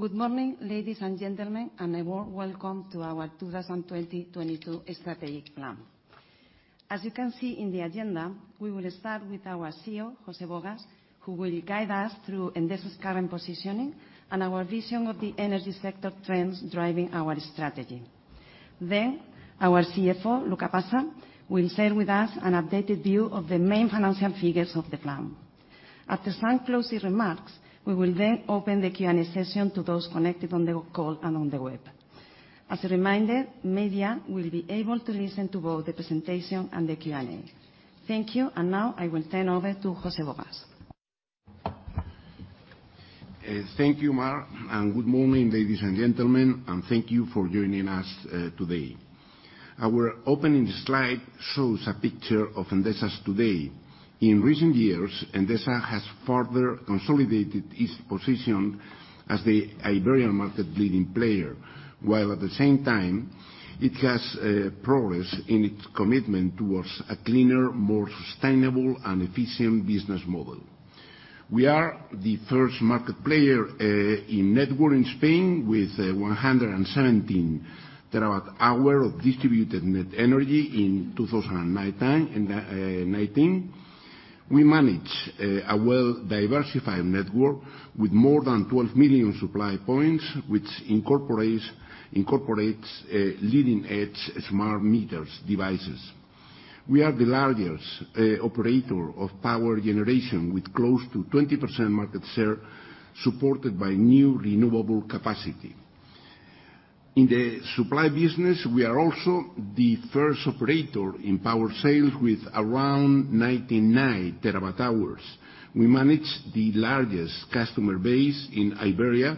Good morning, ladies and gentlemen, and a warm welcome to our 2020-2022 Strategic Plan. As you can see in the agenda, we will start with our CEO, José Bogas, who will guide us through Endesa's current positioning and our vision of the energy sector trends driving our strategy. Then, our CFO, Luca Passa, will share with us an updated view of the main financial figures of the plan. After some closing remarks, we will then open the Q&A session to those connected on the call and on the web. As a reminder, media will be able to listen to both the presentation and the Q&A. Thank you, and now I will turn over to José Bogas. Thank you, Mar, and good morning, ladies and gentlemen, and thank you for joining us today. Our opening slide shows a picture of Endesa's today. In recent years, Endesa has further consolidated its position as the Iberian market leading player, while at the same time, it has progressed in its commitment towards a cleaner, more sustainable, and efficient business model. We are the first market player in network in Spain with 117 TWh of distributed net energy in 2019. We manage a well-diversified network with more than 12 million supply points, which incorporates leading-edge smart meter devices. We are the largest operator of power generation with close to 20% market share supported by new renewable capacity. In the Supply business, we are also the first operator in power sales with around 99 TWh. We manage the largest customer base in Iberia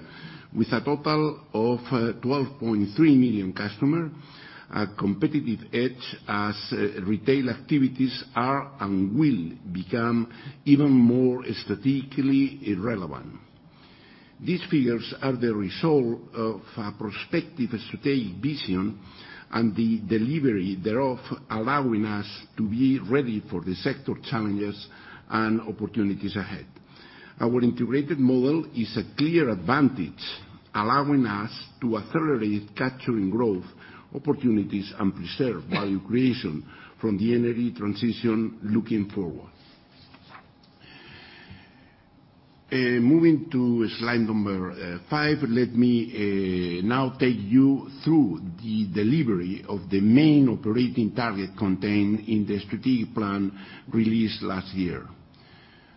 with a total of 12.3 million customers, a competitive edge as retail activities are and will become even more strategically relevant. These figures are the result of a prospective strategic vision and the delivery thereof, allowing us to be ready for the sector challenges and opportunities ahead. Our integrated model is a clear advantage, allowing us to accelerate capturing growth opportunities and preserve value creation from the energy transition looking forward. Moving to slide number five, let me now take you through the delivery of the main operating target contained in the strategic plan released last year.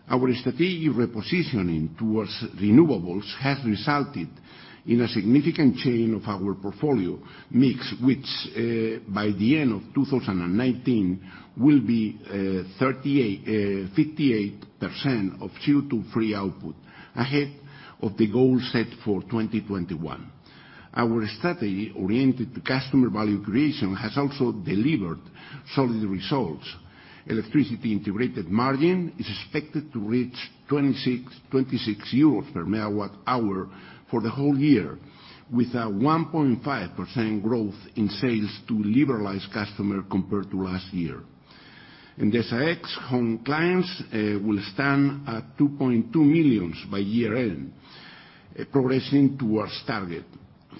Our strategic repositioning towards renewables has resulted in a significant change of our portfolio mix, which by the end of 2019 will be 58% of CO2-free output ahead of the goal set for 2021. Our strategy oriented to customer value creation has also delivered solid results. Electricity integrated margin is expected to reach 26 euros per MWh for the whole year, with a 1.5% growth in sales to liberalized customers compared to last year. Endesa's home clients will stand at 2.2 million by year-end, progressing towards target.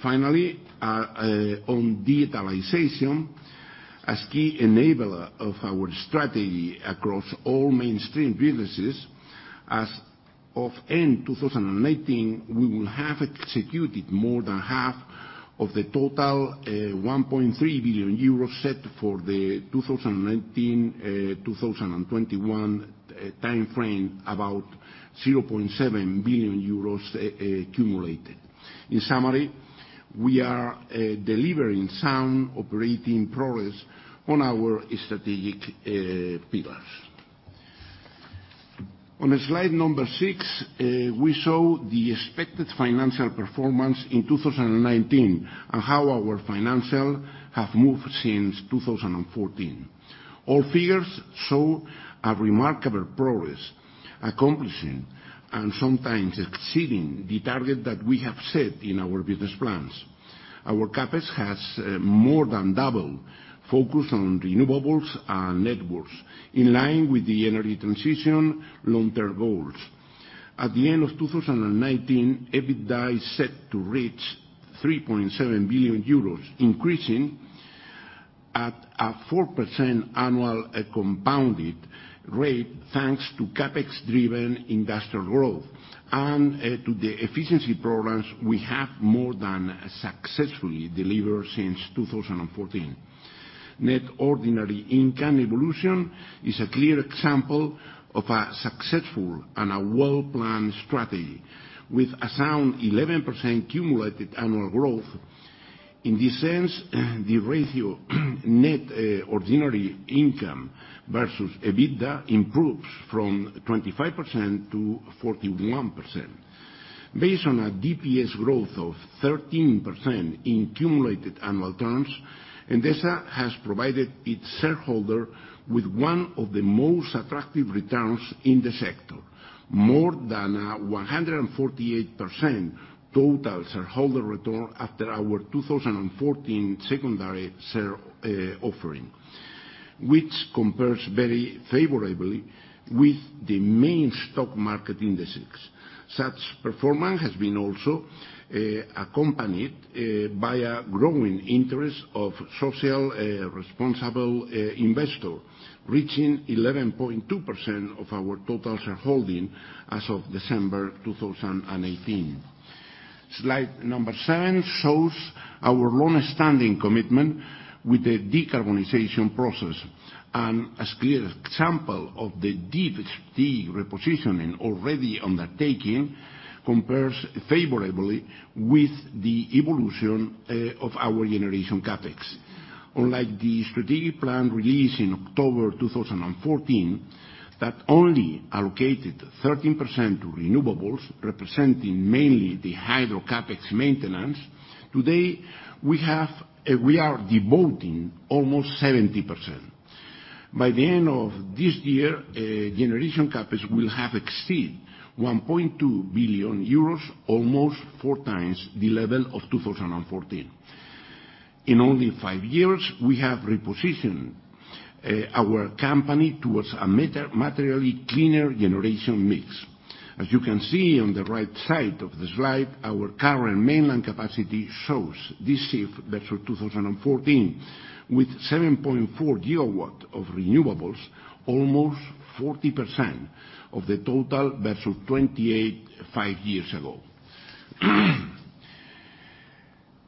Finally, on digitalisation, as key enabler of our strategy across all mainstream businesses, as of end 2019, we will have executed more than half of the total 1.3 billion euros set for the 2019-2021 timeframe, about 0.7 billion euros accumulated. In summary, we are delivering sound operating progress on our strategic pillars. On slide number six, we show the expected financial performance in 2019 and how our financials have moved since 2014. All figures show a remarkable progress, accomplishing, and sometimes exceeding the target that we have set in our business plans. Our CapEx has more than doubled, focused on renewables and networks, in line with the energy transition long-term goals. At the end of 2019, EBITDA is set to reach 3.7 billion euros, increasing at a 4% annual compounded rate, thanks to CapEx-driven industrial growth and to the efficiency programs we have more than successfully delivered since 2014. Net ordinary income evolution is a clear example of a successful and a well-planned strategy, with a sound 11% cumulated annual growth. In this sense, the ratio net ordinary income versus EBITDA improves from 25% to 41%. Based on a DPS growth of 13% in cumulated annual terms, Endesa has provided its shareholders with one of the most attractive returns in the sector, more than a 148% total shareholder return after our 2014 secondary share offering, which compares very favorably with the main stock market indices. Such performance has been also accompanied by a growing interest of socially responsible investors, reaching 11.2% of our total shareholding as of December 2018. Slide number seven shows our long-standing commitment with the decarbonization process, and a clear example of the deep strategic repositioning already undertaking compares favorably with the evolution of our generation CapEx. Unlike the strategic plan released in October 2014 that only allocated 13% to renewables, representing mainly the hydro CapEx maintenance, today we are devoting almost 70%. By the end of this year, generation CapEx will have exceeded 1.2 billion euros, almost four times the level of 2014. In only five years, we have repositioned our company towards a materially cleaner generation mix. As you can see on the right side of the slide, our current installed capacity shows this year versus 2014, with 7.4 GW of renewables, almost 40% of the total versus 28% five years ago.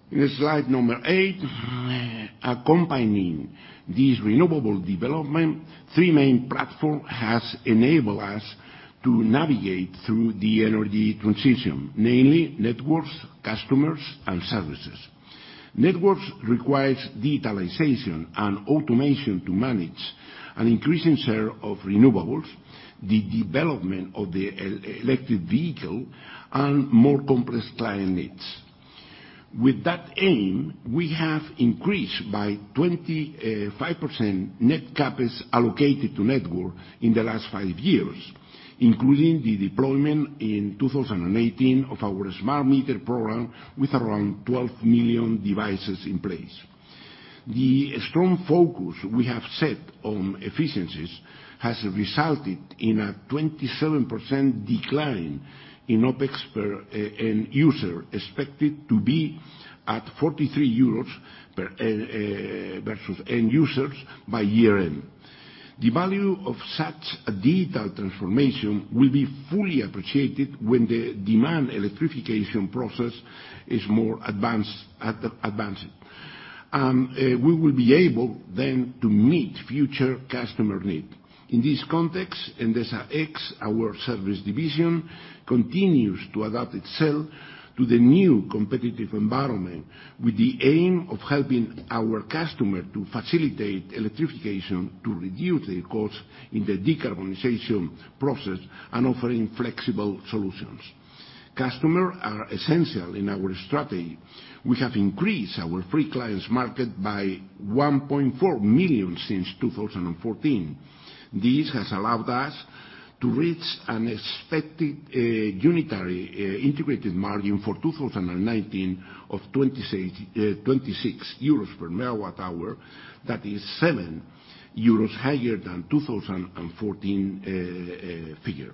In slide number eight, accompanying this renewable development, three main platforms have enabled us to navigate through the energy transition, namely networks, customers, and services. Networks require digitalisation and automation to manage an increasing share of renewables, the development of the electric vehicle, and more complex client needs. With that aim, we have increased by 25% net CapEx allocated to networks in the last five years, including the deployment in 2018 of our smart meter program with around 12 million devices in place. The strong focus we have set on efficiencies has resulted in a 27% decline in OpEx per end user, expected to be at 43 euros per end user by year-end. The value of such a digital transformation will be fully appreciated when the demand electrification process is more advanced, and we will be able then to meet future customer needs. In this context, Endesa X, our service division, continues to adapt itself to the new competitive environment with the aim of helping our customers to facilitate electrification to reduce their costs in the decarbonization process and offering flexible solutions. Customers are essential in our strategy. We have increased our free clients' market by 1.4 million since 2014. This has allowed us to reach an expected unitary integrated margin for 2019 of 26 euros per MWh, that is 7 euros higher than 2014 figure.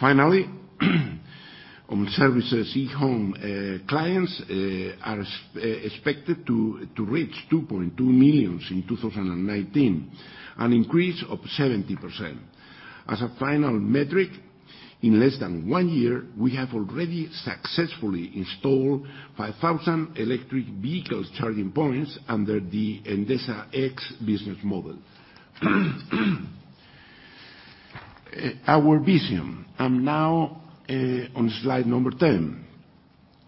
Finally, on services, e-Home clients are expected to reach 2.2 million in 2019, an increase of 70%. As a final metric, in less than one year, we have already successfully installed 5,000 electric vehicle charging points under the Endesa X business model. Our vision, and now on slide number 10,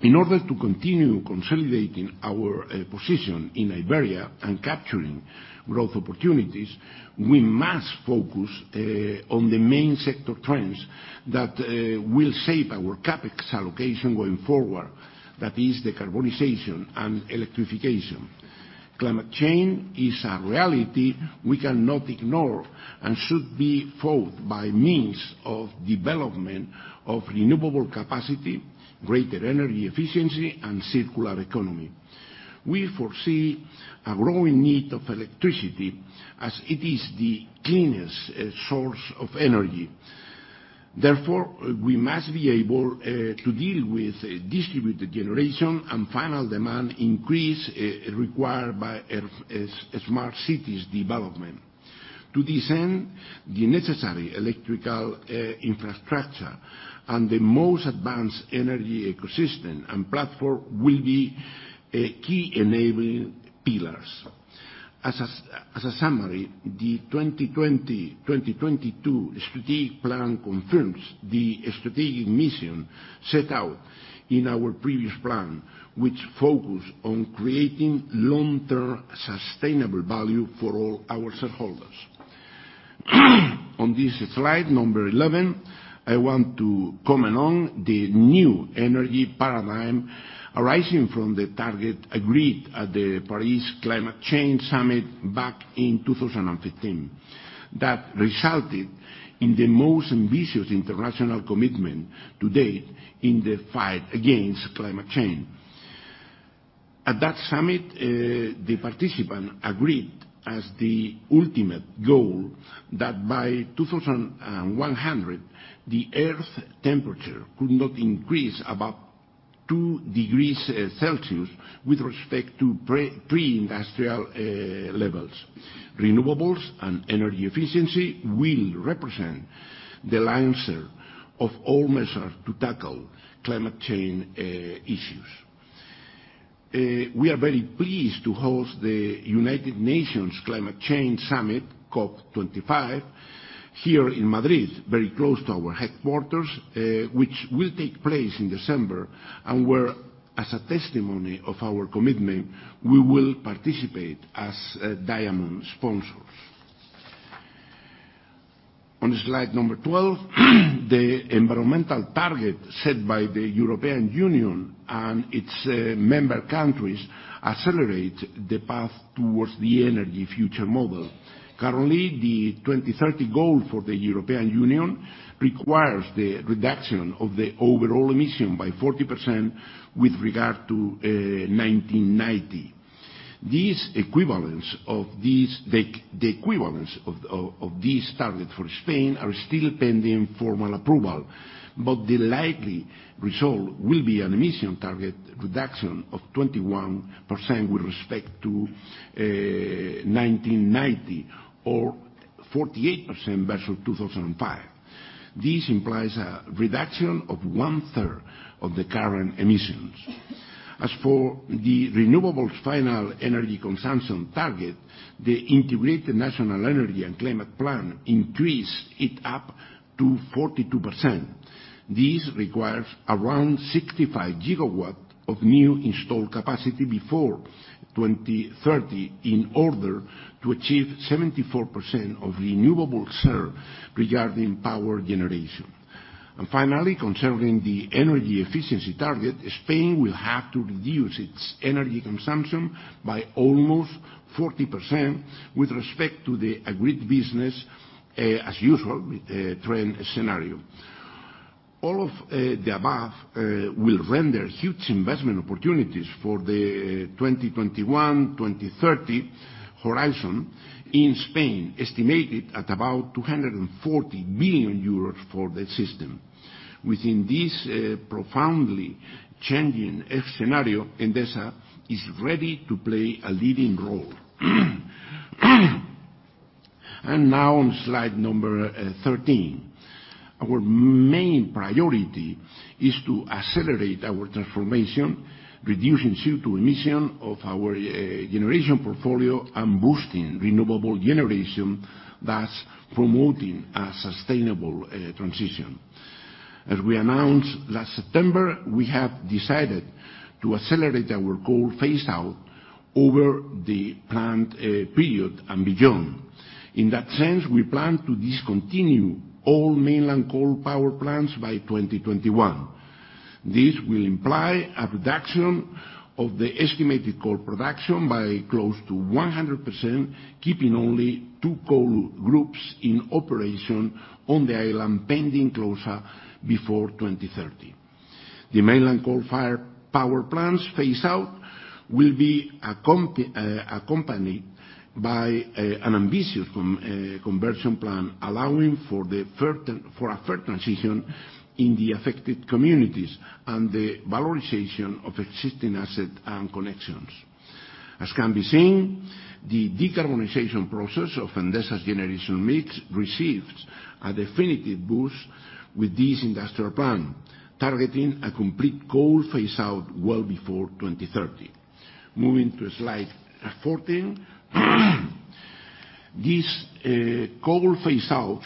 in order to continue consolidating our position in Iberia and capturing growth opportunities, we must focus on the main sector trends that will shape our CapEx allocation going forward, that is decarbonization and electrification. Climate change is a reality we cannot ignore and should be fought by means of development of renewable capacity, greater energy efficiency, and circular economy. We foresee a growing need of electricity as it is the cleanest source of energy. Therefore, we must be able to deal with distributed generation and final demand increase required by smart cities development. To this end, the necessary electrical infrastructure and the most advanced energy ecosystem and platform will be key enabling pillars. As a summary, the 2020-2022 strategic plan confirms the strategic mission set out in our previous plan, which focused on creating long-term sustainable value for all our shareholders. On this slide number 11, I want to comment on the new energy paradigm arising from the target agreed at the Paris Climate Change Summit back in 2015 that resulted in the most ambitious international commitment to date in the fight against climate change. At that summit, the participants agreed as the ultimate goal that by 2100, the Earth's temperature could not increase above two degrees Celsius with respect to pre-industrial levels. Renewables and energy efficiency will represent the cornerstone of all measures to tackle climate change issues. We are very pleased to host the United Nations Climate Change Summit, COP25, here in Madrid, very close to our headquarters, which will take place in December, and where, as a testimony of our commitment, we will participate as diamond sponsors. On slide number 12, the environmental target set by the European Union and its member countries accelerates the path towards the energy future model. Currently, the 2030 goal for the European Union requires the reduction of the overall emissions by 40% with regard to 1990. The equivalence of these targets for Spain are still pending formal approval, but the likely result will be an emission target reduction of 21% with respect to 1990 or 48% versus 2005. This implies a reduction of 1/3 of the current emissions. As for the renewables final energy consumption target, the Integrated National Energy and Climate Plan increased it up to 42%. This requires around 65 GW of new installed capacity before 2030 in order to achieve 74% of renewables regarding power generation. And finally, concerning the energy efficiency target, Spain will have to reduce its energy consumption by almost 40% with respect to the agreed business as usual with the trend scenario. All of the above will render huge investment opportunities for the 2021-2030 horizon in Spain, estimated at about 240 billion euros for the system. Within this profoundly changing scenario, Endesa is ready to play a leading role. And now on slide number 13, our main priority is to accelerate our transformation, reducing CO2 emission of our generation portfolio and boosting renewable generation, thus promoting a sustainable transition. As we announced last September, we have decided to accelerate our coal phase-out over the planned period and beyond. In that sense, we plan to discontinue all mainland coal power plants by 2021. This will imply a reduction of the estimated coal production by close to 100%, keeping only two coal groups in operation on the island pending closure before 2030. The mainland coal-fired power plants phase-out will be accompanied by an ambitious conversion plan allowing for a just transition in the affected communities and the valorization of existing assets and connections. As can be seen, the decarbonization process of Endesa's generation mix receives a definitive boost with this industrial plan, targeting a complete coal phase-out well before 2030. Moving to slide 14, this coal phase-out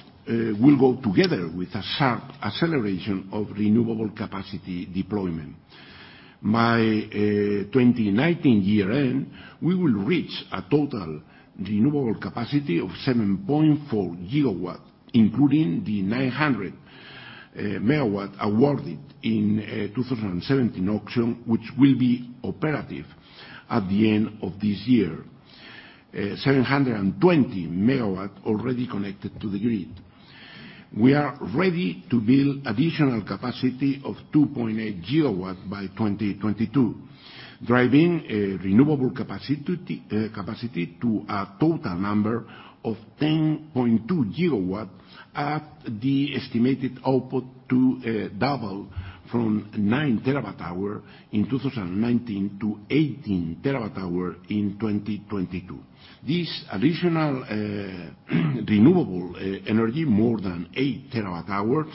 will go together with a sharp acceleration of renewable capacity deployment. By 2019 year-end, we will reach a total renewable capacity of 7.4 GW, including the 900 MW awarded in the 2017 auction, which will be operative at the end of this year, 720 MW already connected to the grid. We are ready to build additional capacity of 2.8 GW by 2022, driving renewable capacity to a total number of 10.2 GW at the estimated output to double from 9 TWh in 2019 to 18 TWh in 2022. This additional renewable energy, more than 8 TWh,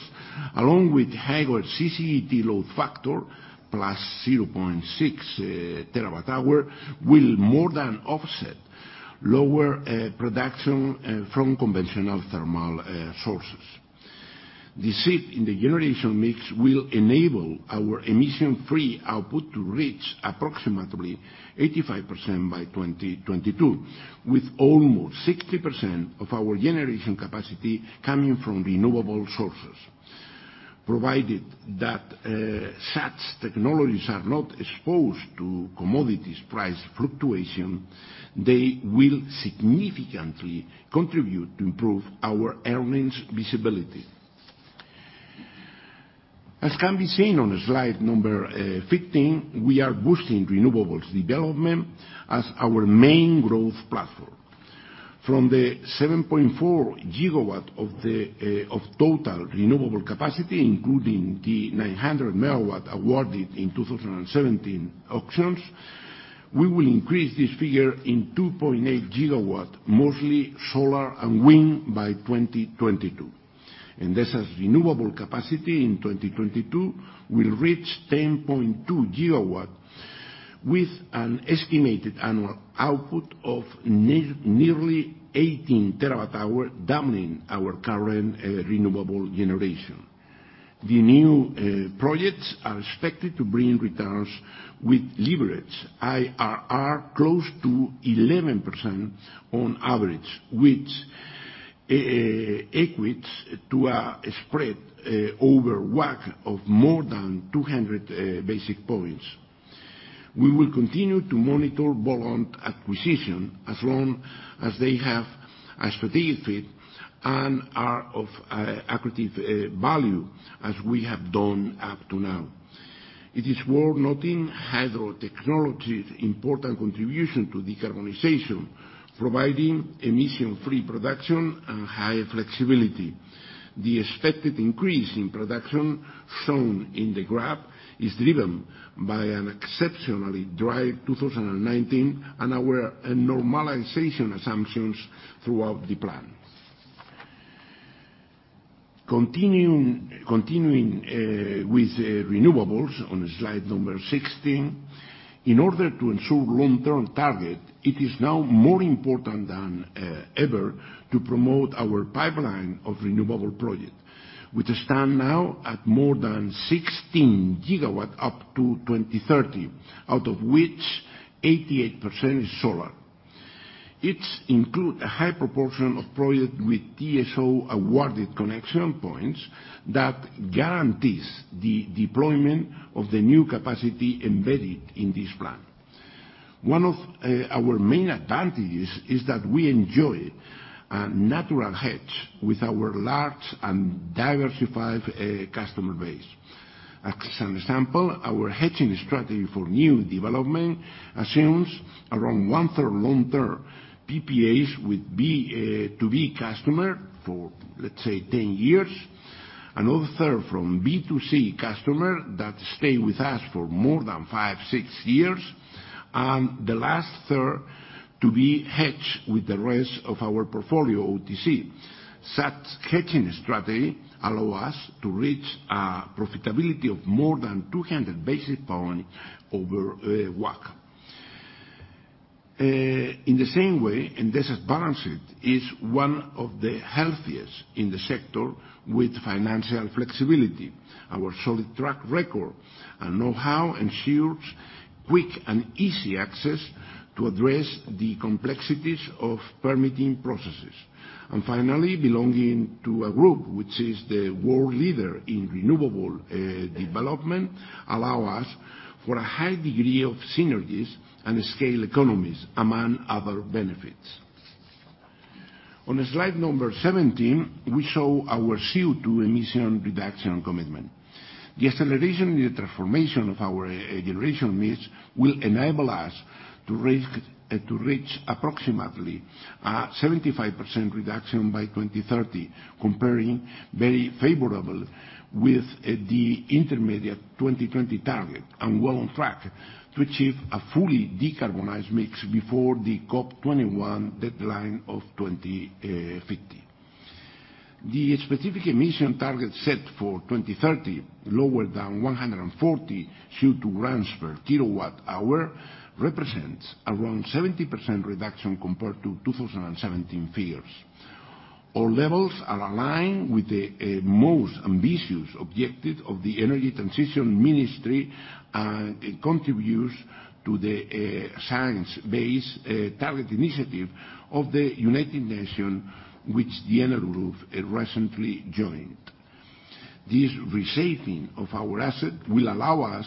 along with higher CCGT load factor, plus 0.6 TWh, will more than offset lower production from conventional thermal sources. The shift in the generation mix will enable our emission-free output to reach approximately 85% by 2022, with almost 60% of our generation capacity coming from renewable sources. Provided that such technologies are not exposed to commodities price fluctuation, they will significantly contribute to improve our earnings visibility. As can be seen on slide number 15, we are boosting renewables development as our main growth platform. From the 7.4 GW of total renewable capacity, including the 900 MW awarded in 2017 auctions, we will increase this figure in 2.8 GW, mostly solar and wind, by 2022. Endesa's renewable capacity in 2022 will reach 10.2 GW, with an estimated annual output of nearly 18 TWh, doubling our current renewable generation. The new projects are expected to bring returns with leverage IRR close to 11% on average, which equates to a spread over WACC of more than 200 basis points. We will continue to monitor bolt-on acquisitions as long as they have a strategic fit and are of accurate value, as we have done up to now. It is worth noting Hydro Technology's important contribution to decarbonization, providing emission-free production and high flexibility. The expected increase in production shown in the graph is driven by an exceptionally dry 2019 and our normalization assumptions throughout the plan. Continuing with renewables on slide number 16, in order to ensure long-term targets, it is now more important than ever to promote our pipeline of renewable projects, which stand now at more than 16 GW up to 2030, out of which 88% is solar. It includes a high proportion of projects with TSO-awarded connection points that guarantees the deployment of the new capacity embedded in this plan. One of our main advantages is that we enjoy a natural hedge with our large and diversified customer base. As an example, our hedging strategy for new development assumes around 1/3 long-term PPAs with B2B customers for, let's say, 10 years, another third from B2C customers that stay with us for more than five, six years, and the last third to be hedged with the rest of our portfolio, OTC. Such hedging strategies allow us to reach a profitability of more than 200 basis points over WACC. In the same way, Endesa's balance sheet is one of the healthiest in the sector with financial flexibility. Our solid track record and know-how ensures quick and easy access to address the complexities of permitting processes. And finally, belonging to a group which is the world leader in renewable development allows us for a high degree of synergies and scale economies among other benefits. On slide number 17, we show our CO2 emission reduction commitment. The acceleration in the transformation of our generation mix will enable us to reach approximately a 75% reduction by 2030, comparing very favorably with the intermediate 2020 target and well on track to achieve a fully decarbonized mix before the COP21 deadline of 2050. The specific emission target set for 2030, lower than 140 CO2 g/kWh, represents around 70% reduction compared to 2017 figures. Our levels are aligned with the most ambitious objectives of the Energy Transition Ministry and contribute to the Science Based Targets initiative of the United Nations, which the Enel Group recently joined. This reshaping of our assets will allow us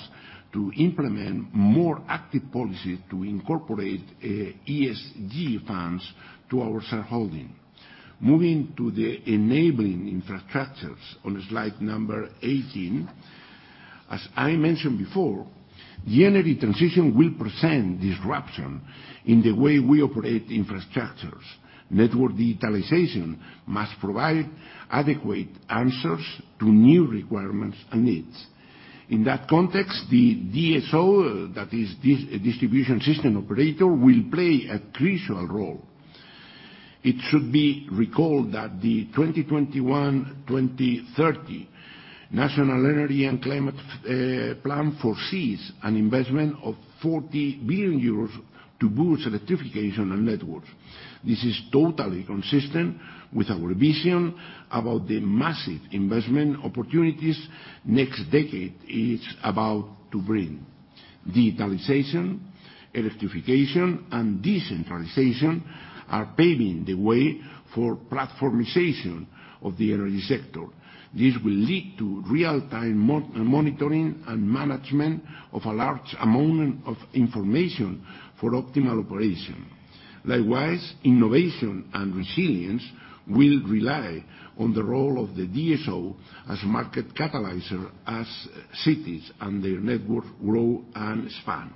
to implement more active policies to incorporate ESG funds to our shareholding. Moving to the enabling infrastructures on slide number 18, as I mentioned before, the energy transition will present disruptions in the way we operate infrastructures. Network digitalisation must provide adequate answers to new requirements and needs. In that context, the DSO, that is, the distribution system operator, will play a crucial role. It should be recalled that the 2021-2030 National Energy and Climate Plan foresees an investment of 40 billion euros to boost electrification and networks. This is totally consistent with our vision about the massive investment opportunities next decade is about to bring. Digitalisation, electrification, and decentralization are paving the way for platformization of the energy sector. This will lead to real-time monitoring and management of a large amount of information for optimal operation. Likewise, innovation and resilience will rely on the role of the DSO as a market catalyst as cities and their networks grow and expand.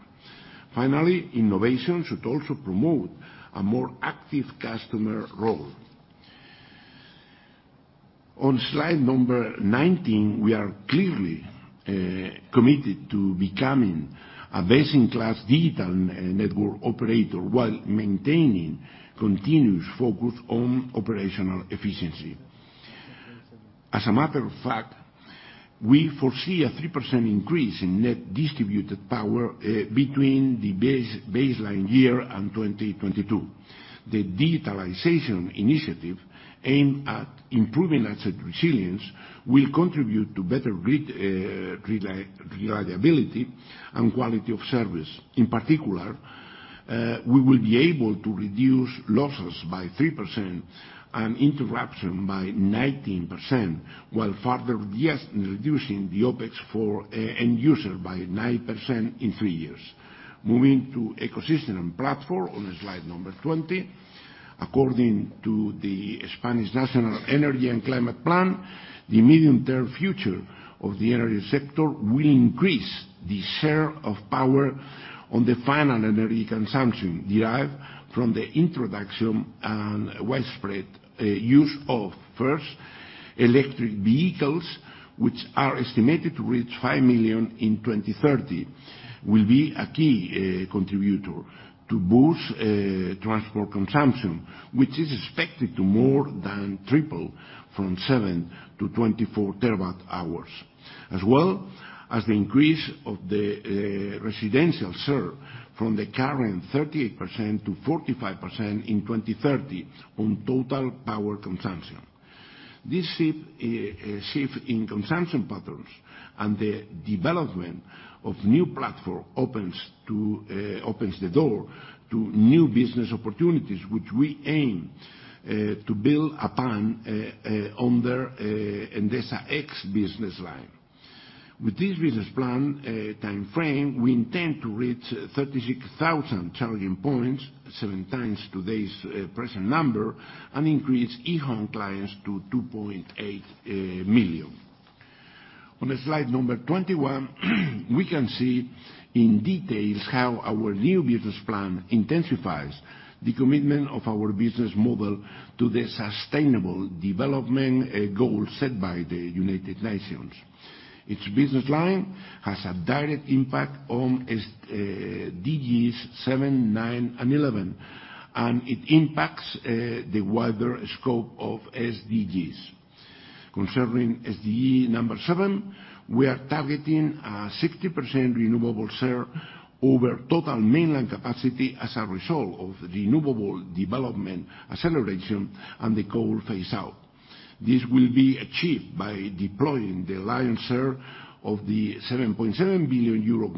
Finally, innovation should also promote a more active customer role. On slide number 19, we are clearly committed to becoming a best-in-class digital network operator while maintaining continuous focus on operational efficiency. As a matter of fact, we foresee a 3% increase in net distributed power between the baseline year and 2022. The digitalisation initiative aimed at improving asset resilience will contribute to better reliability and quality of service. In particular, we will be able to reduce losses by 3% and interruptions by 19%, while further reducing the OpEx for end users by 9% in three years. Moving to ecosystem and platform on slide number 20, according to the Spanish National Energy and Climate Plan, the medium-term future of the energy sector will increase the share of power on the final energy consumption derived from the introduction and widespread use of, first, electric vehicles, which are estimated to reach five million in 2030, will be a key contributor to boost transport consumption, which is expected to more than triple from 7 TWh to 24 TWh, as well as the increase of the residential share from the current 38% to 45% in 2030 on total power consumption. This shift in consumption patterns and the development of new platforms opens the door to new business opportunities, which we aim to build upon under Endesa X business line. With this business plan timeframe, we intend to reach 36,000 charging points, 7x today's present number, and increase e-Home clients to 2.8 million. On slide number 21, we can see in detail how our new business plan intensifies the commitment of our business model to the Sustainable Development Goals set by the United Nations. Its business line has a direct impact on SDGs 7, 9, and 11, and it impacts the wider scope of SDGs. Concerning SDG number 7, we are targeting a 60% renewable share over total mainland capacity as a result of renewable development acceleration and the coal phase-out. This will be achieved by deploying the lion's share of the 7.7 billion euro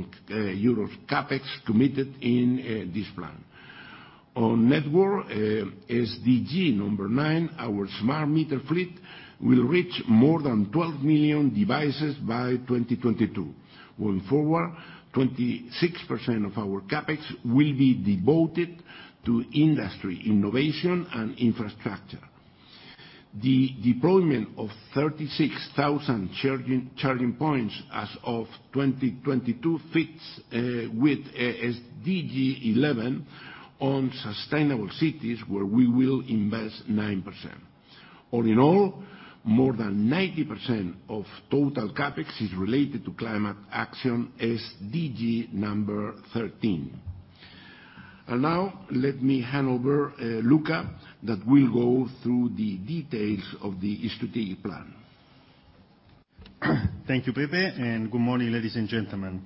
CapEx committed in this plan. On network, SDG number 9, our smart meter fleet will reach more than 12 million devices by 2022. Going forward, 26% of our CapEx will be devoted to Industry, Innovation and Infrastructure. The deployment of 36,000 charging points as of 2022 fits with SDG 11 on Sustainable Cities, where we will invest 9%. All in all, more than 90% of total CapEx is related to Climate Action, SDG number 13. And now, let me hand over Luca that will go through the details of the strategic plan. Thank you, Pepe, and good morning, ladies and gentlemen.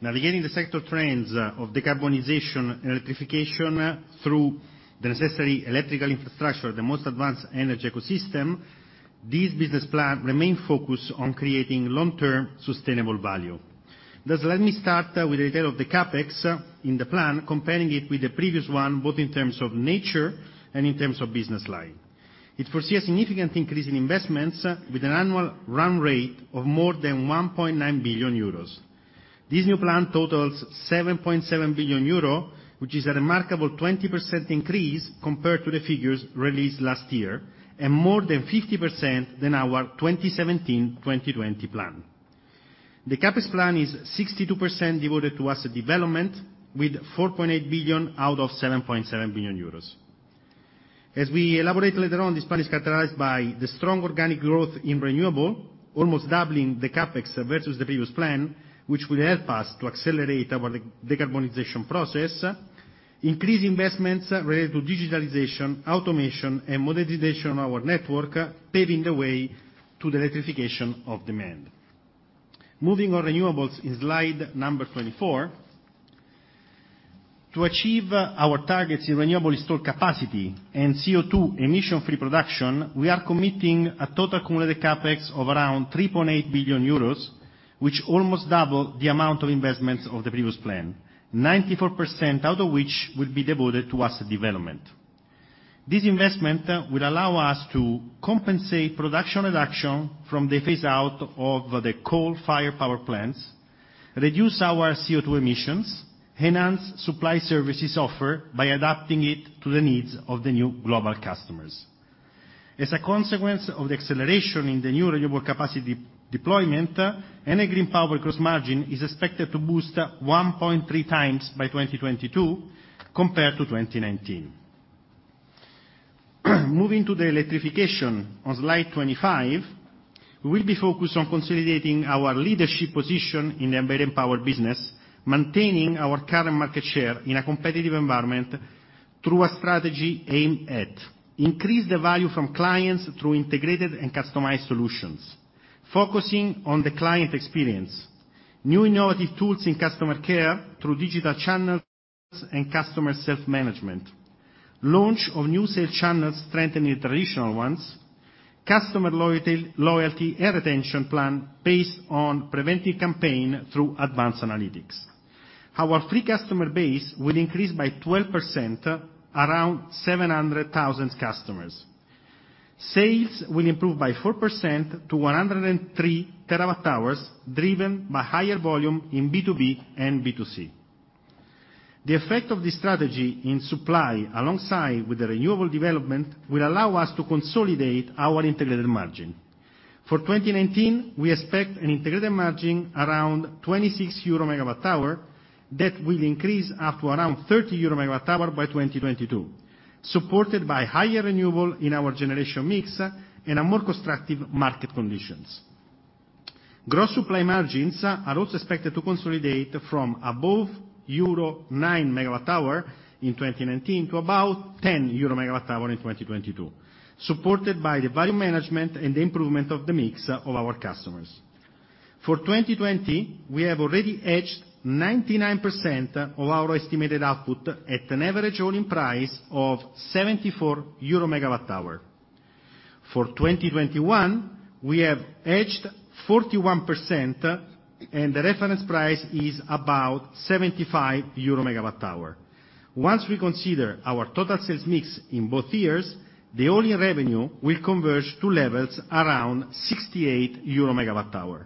Navigating the sector trends of decarbonization and electrification through the necessary electrical infrastructure, the most advanced energy ecosystem, this business plan remains focused on creating long-term sustainable value. Thus, let me start with the detail of the CapEx in the plan, comparing it with the previous one both in terms of nature and in terms of business line. It foresees a significant increase in investments with an annual run rate of more than 1.9 billion euros. This new plan totals 7.7 billion euro, which is a remarkable 20% increase compared to the figures released last year and more than 50% than our 2017-2020 plan. The CapEx plan is 62% devoted to asset development with 4.8 billion out of 7.7 billion euros. As we elaborate later on, this plan is characterized by the strong organic growth in renewable, almost doubling the CapEx versus the previous plan, which will help us to accelerate our decarbonization process, increase investments related to digitalisation, automation, and modernization of our network, paving the way to the electrification of demand. Moving on renewables in slide number 24, to achieve our targets in renewable installed capacity and CO2 emission-free production, we are committing a total cumulative CapEx of around 3.8 billion euros, which almost doubles the amount of investments of the previous plan, 94% out of which will be devoted to asset development. This investment will allow us to compensate production reduction from the phase-out of the coal-fired power plants, reduce our CO2 emissions, enhance supply services offer by adapting it to the needs of the new global customers. As a consequence of the acceleration in the new renewable capacity deployment, Enel Green Power gross margin is expected to boost 1.3x by 2022 compared to 2019. Moving to the electrification on slide 25, we will be focused on consolidating our leadership position in the Enel Green Power business, maintaining our current market share in a competitive environment through a strategy aimed at increasing the value from clients through integrated and customized solutions, focusing on the client experience, new innovative tools in customer care through digital channels and customer self-management, launch of new sales channels strengthening traditional ones, customer loyalty and retention plan based on preventive campaign through advanced analytics. Our free customer base will increase by 12%, around 700,000 customers. Sales will improve by 4% to 103 TWh, driven by higher volume in B2B and B2C. The effect of this strategy in Supply, alongside with the renewable development, will allow us to consolidate our integrated margin. For 2019, we expect an integrated margin around 26 EUR/MWh that will increase up to around 30 EUR/MWh by 2022, supported by higher renewable in our generation mix and more constructive market conditions. Gross Supply margins are also expected to consolidate from above euro 9 MWh in 2019 to about 10 EUR/MWh in 2022, supported by the value management and the improvement of the mix of our customers. For 2020, we have already hedged 99% of our estimated output at an average oil-linked price of 74 EUR/MWh. For 2021, we have hedged 41%, and the reference price is about 75 EUR/MWh. Once we consider our total sales mix in both years, the underlying revenue will converge to levels around 68 EUR/MWh.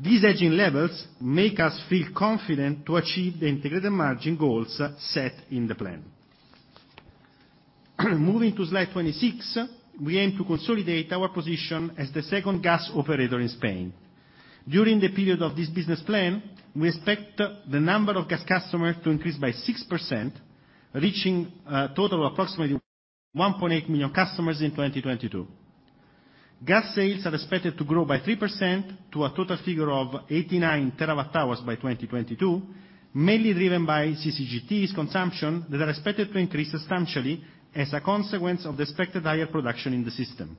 These hedging levels make us feel confident to achieve the integrated margin goals set in the plan. Moving to slide 26, we aim to consolidate our position as the second gas operator in Spain. During the period of this business plan, we expect the number of gas customers to increase by 6%, reaching a total of approximately 1.8 million customers in 2022. Gas sales are expected to grow by 3% to a total figure of 89 TWh by 2022, mainly driven by CCGTs consumption that is expected to increase substantially as a consequence of the expected higher production in the system.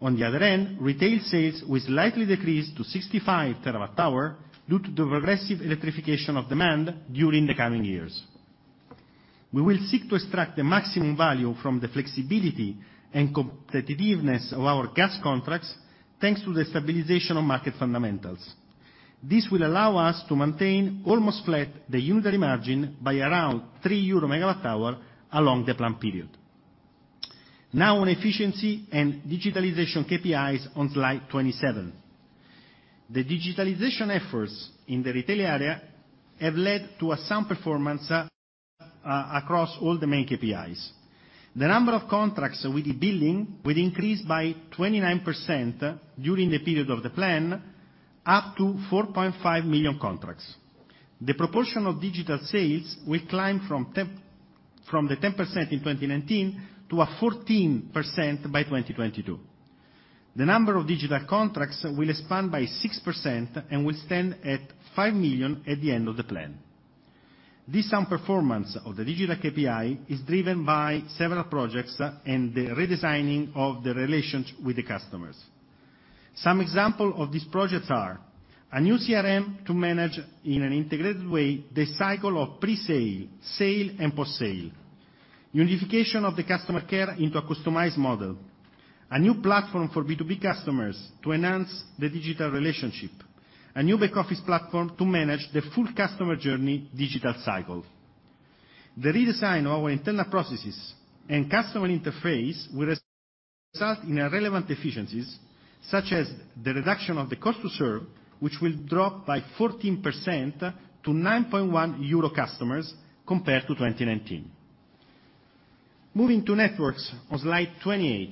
On the other end, retail sales will slightly decrease to 65 TWh due to the progressive electrification of demand during the coming years. We will seek to extract the maximum value from the flexibility and competitiveness of our gas contracts thanks to the stabilization of market fundamentals. This will allow us to maintain almost flat the unitary margin by around 3 EUR/MWh along the planned period. Now, on efficiency and digitalisation KPIs on slide 27. The digitalisation efforts in the retail area have led to a sound performance across all the main KPIs. The number of contracts we'll be building will increase by 29% during the period of the plan, up to 4.5 million contracts. The proportion of digital sales will climb from the 10% in 2019 to a 14% by 2022. The number of digital contracts will expand by 6% and will stand at five million at the end of the plan. This sound performance of the digital KPI is driven by several projects and the redesigning of the relations with the customers. Some examples of these projects are a new CRM to manage in an integrated way the cycle of pre-sale, sale, and post-sale, unification of the customer care into a customized model, a new platform for B2B customers to enhance the digital relationship, a new back-office platform to manage the full customer journey digital cycle. The redesign of our internal processes and customer interface will result in relevant efficiencies such as the reduction of the cost to serve, which will drop by 14% to 9.1 euro per customer compared to 2019. Moving to networks on slide 28.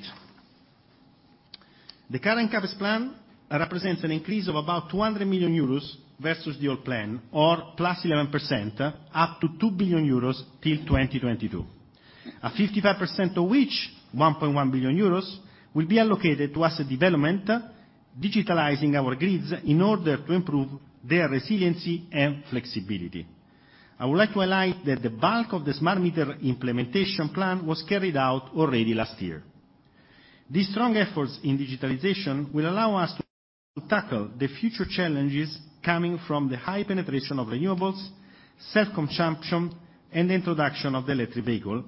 The current CapEx plan represents an increase of about 200 million euros versus the old plan, or +11%, up to 2 billion euros till 2022, 55% of which, 1.1 billion euros, will be allocated to asset development, digitizing our grids in order to improve their resiliency and flexibility. I would like to highlight that the bulk of the smart meter implementation plan was carried out already last year. These strong efforts in digitization will allow us to tackle the future challenges coming from the high penetration of renewables, self-consumption, and the introduction of the electric vehicle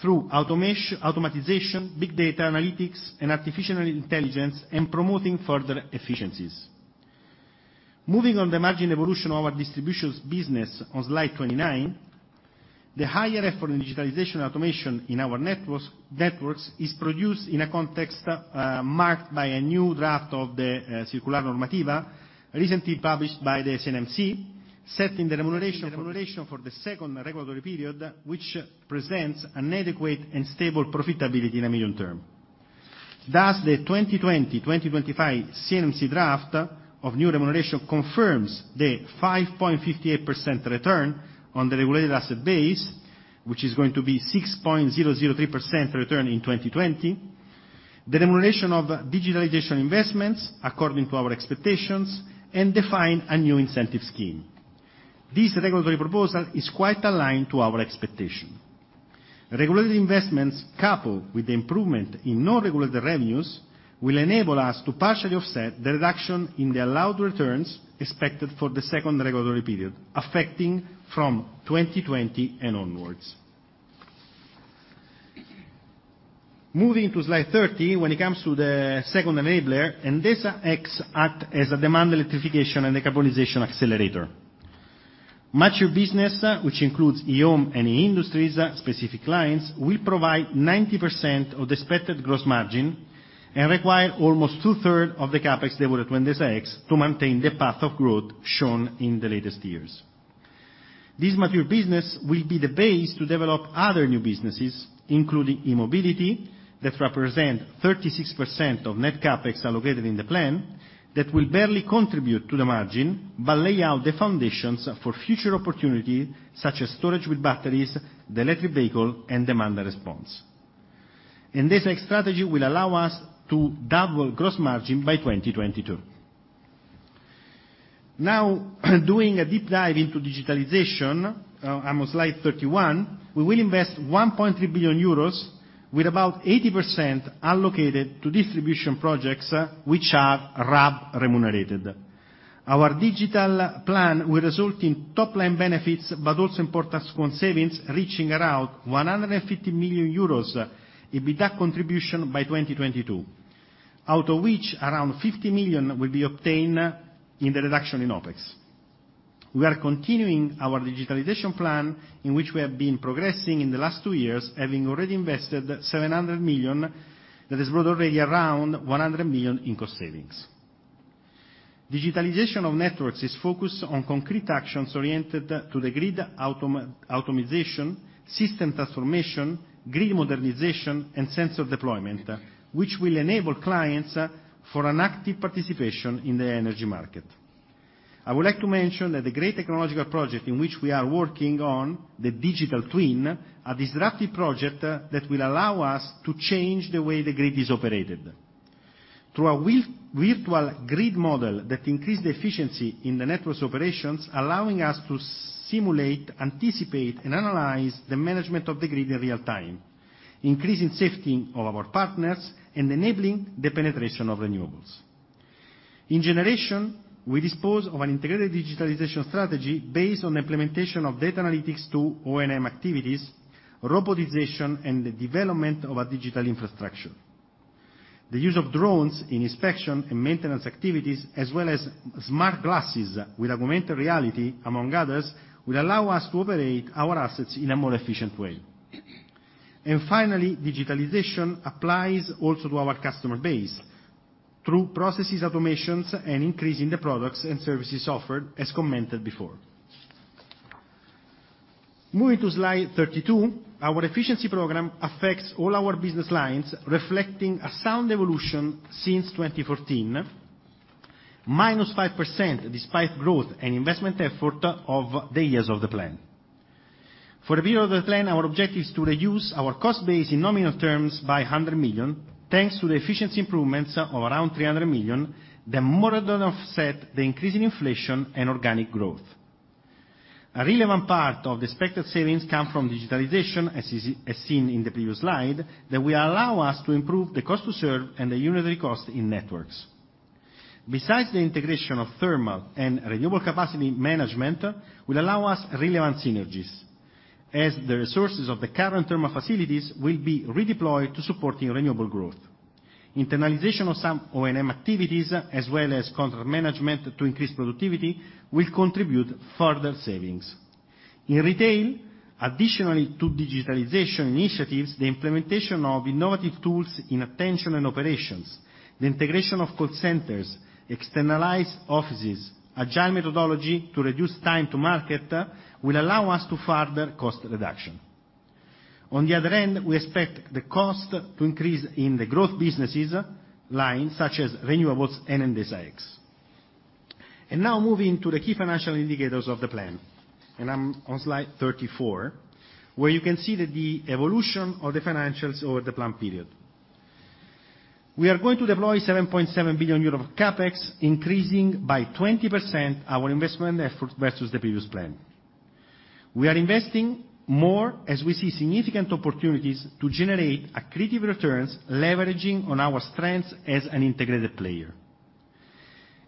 through automation, big data analytics, and artificial intelligence, and promoting further efficiencies. Moving on to the margin evolution of our distribution business on slide 29, the higher effort in digitalisation and automation in our networks is produced in a context marked by a new draft of the circular normativa recently published by the CNMC, setting the remuneration for the second regulatory period, which presents an adequate and stable profitability in a medium term. Thus, the 2020-2025 CNMC draft of new remuneration confirms the 5.58% return on the regulated asset base, which is going to be 6.003% return in 2020, the remuneration of digitalisation investments according to our expectations, and define a new incentive scheme. This regulatory proposal is quite aligned to our expectation. Regulated investments, coupled with the improvement in non-regulated revenues, will enable us to partially offset the reduction in the allowed returns expected for the second regulatory period, affecting from 2020 and onwards. Moving to slide 30, when it comes to the second enabler, Endesa acts as a demand electrification and decarbonization accelerator. Mature business, which includes e-Home and e-Industries, specific clients, will provide 90% of the expected gross margin and require almost 2/3 of the CapEx devoted to Endesa X to maintain the path of growth shown in the latest years. This mature business will be the base to develop other new businesses, including e-Mobility, that represent 36% of net CapEx allocated in the plan, that will barely contribute to the margin but lay out the foundations for future opportunities such as storage with batteries, the electric vehicle, and demand response. Endesa X strategy will allow us to double gross margin by 2022. Now, doing a deep dive into digitalisation, I'm on slide 31. We will invest 1.3 billion euros, with about 80% allocated to distribution projects which are RAB remunerated. Our digital plan will result in top-line benefits but also importance on savings reaching around 150 million euros in EBITDA contribution by 2022, out of which around 50 million will be obtained in the reduction in OpEx. We are continuing our digitalisation plan in which we have been progressing in the last two years, having already invested 700 million, that has brought already around 100 million in cost savings. Digitalisation of networks is focused on concrete actions oriented to the grid automation, system transformation, grid modernization, and sensor deployment, which will enable clients for an active participation in the energy market. I would like to mention that the great technological project in which we are working on, the Digital Twin, a disruptive project that will allow us to change the way the grid is operated through a virtual grid model that increases the efficiency in the network's operations, allowing us to simulate, anticipate, and analyze the management of the grid in real time, increasing safety of our partners and enabling the penetration of renewables. In generation, we dispose of an integrated digitalisation strategy based on the implementation of data analytics to O&M activities, robotization, and the development of a digital infrastructure. The use of drones in inspection and maintenance activities, as well as smart glasses with augmented reality, among others, will allow us to operate our assets in a more efficient way. Finally, digitalisation applies also to our customer base through processes, automations, and increasing the products and services offered, as commented before. Moving to slide 32, our efficiency program affects all our business lines, reflecting a sound evolution since 2014, -5% despite growth and investment effort of the years of the plan. For a period of the plan, our objective is to reduce our cost base in nominal terms by 100 million, thanks to the efficiency improvements of around 300 million, the more than offsets the increase in inflation and organic growth. A relevant part of the expected savings comes from digitalisation, as seen in the previous slide, that will allow us to improve the cost to serve and the unitary cost in networks. Besides the integration of thermal and renewable capacity management, will allow us relevant synergies, as the resources of the current thermal facilities will be redeployed to support renewable growth. Internalization of some O&M activities, as well as contract management to increase productivity, will contribute further savings. In retail, additionally to digitalisation initiatives, the implementation of innovative tools in attention and operations, the integration of call centers, externalized offices, agile methodology to reduce time to market will allow us to further cost reduction. On the other end, we expect the cost to increase in the growth businesses line, such as renewables and Endesa X. And now, moving to the key financial indicators of the plan. And I'm on slide 34, where you can see the evolution of the financials over the planned period. We are going to deploy 7.7 billion euros of CapEx, increasing by 20% our investment effort versus the previous plan. We are investing more as we see significant opportunities to generate accretive returns, leveraging on our strengths as an integrated player.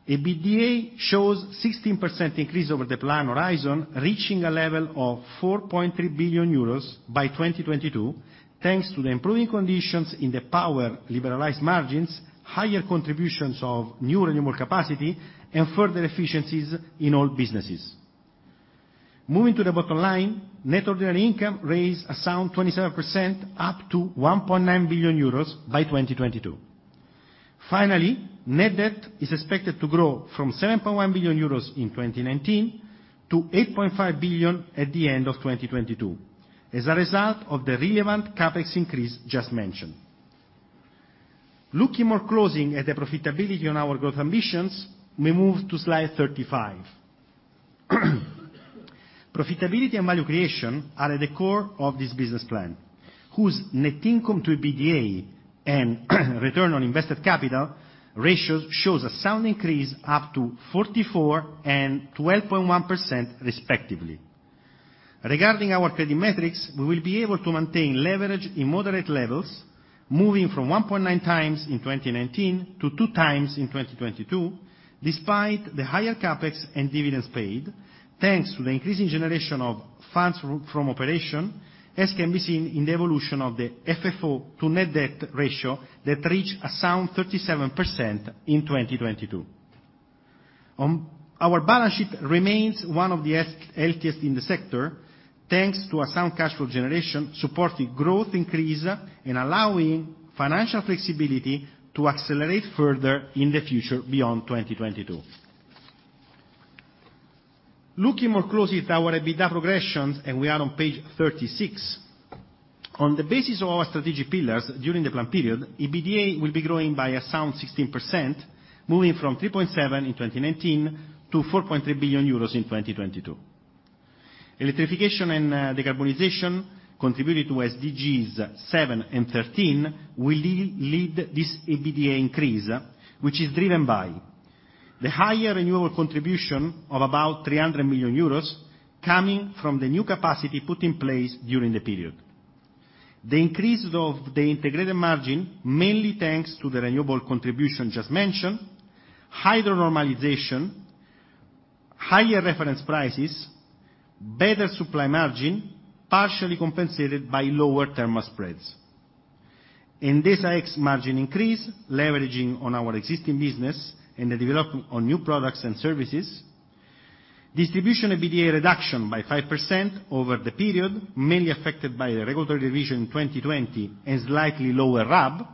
EBITDA shows a 16% increase over the planned horizon, reaching a level of 4.3 billion euros by 2022, thanks to the improving conditions in the power liberalized margins, higher contributions of new renewable capacity, and further efficiencies in all businesses. Moving to the bottom line, net ordinary income raised a sound 27% up to 1.9 billion euros by 2022. Finally, net debt is expected to grow from 7.1 billion euros in 2019 to 8.5 billion at the end of 2022, as a result of the relevant CapEx increase just mentioned. Looking more closely at the profitability on our growth ambitions, we move to slide 35. Profitability and value creation are at the core of this business plan, whose net income to EBITDA and return on invested capital ratios shows a sound increase up to 44% and 12.1%, respectively. Regarding our credit metrics, we will be able to maintain leverage in moderate levels, moving from 1.9x in 2019 to 2x in 2022, despite the higher CapEx and dividends paid, thanks to the increasing generation of funds from operations, as can be seen in the evolution of the FFO to net debt ratio that reached a sound 37% in 2022. Our balance sheet remains one of the healthiest in the sector, thanks to a sound cash flow generation supporting growth increase and allowing financial flexibility to accelerate further in the future beyond 2022. Looking more closely at our EBITDA progressions, and we are on page 36. On the basis of our strategic pillars during the planned period, EBITDA will be growing by a sound 16%, moving from 3.7 billion in 2019 to 4.3 billion euros in 2022. Electrification and decarbonization contributed to SDGs 7 and 13 will lead this EBITDA increase, which is driven by the higher renewable contribution of about 300 million euros coming from the new capacity put in place during the period. The increase of the integrated margin mainly thanks to the renewable contribution just mentioned, hydro normalization, higher reference prices, better Supply margin, partially compensated by lower thermal spreads. Endesa X margin increase, leveraging on our existing business and the development of new products and services, distribution EBITDA reduction by 5% over the period, mainly affected by the regulatory revision in 2020 and slightly lower RAB,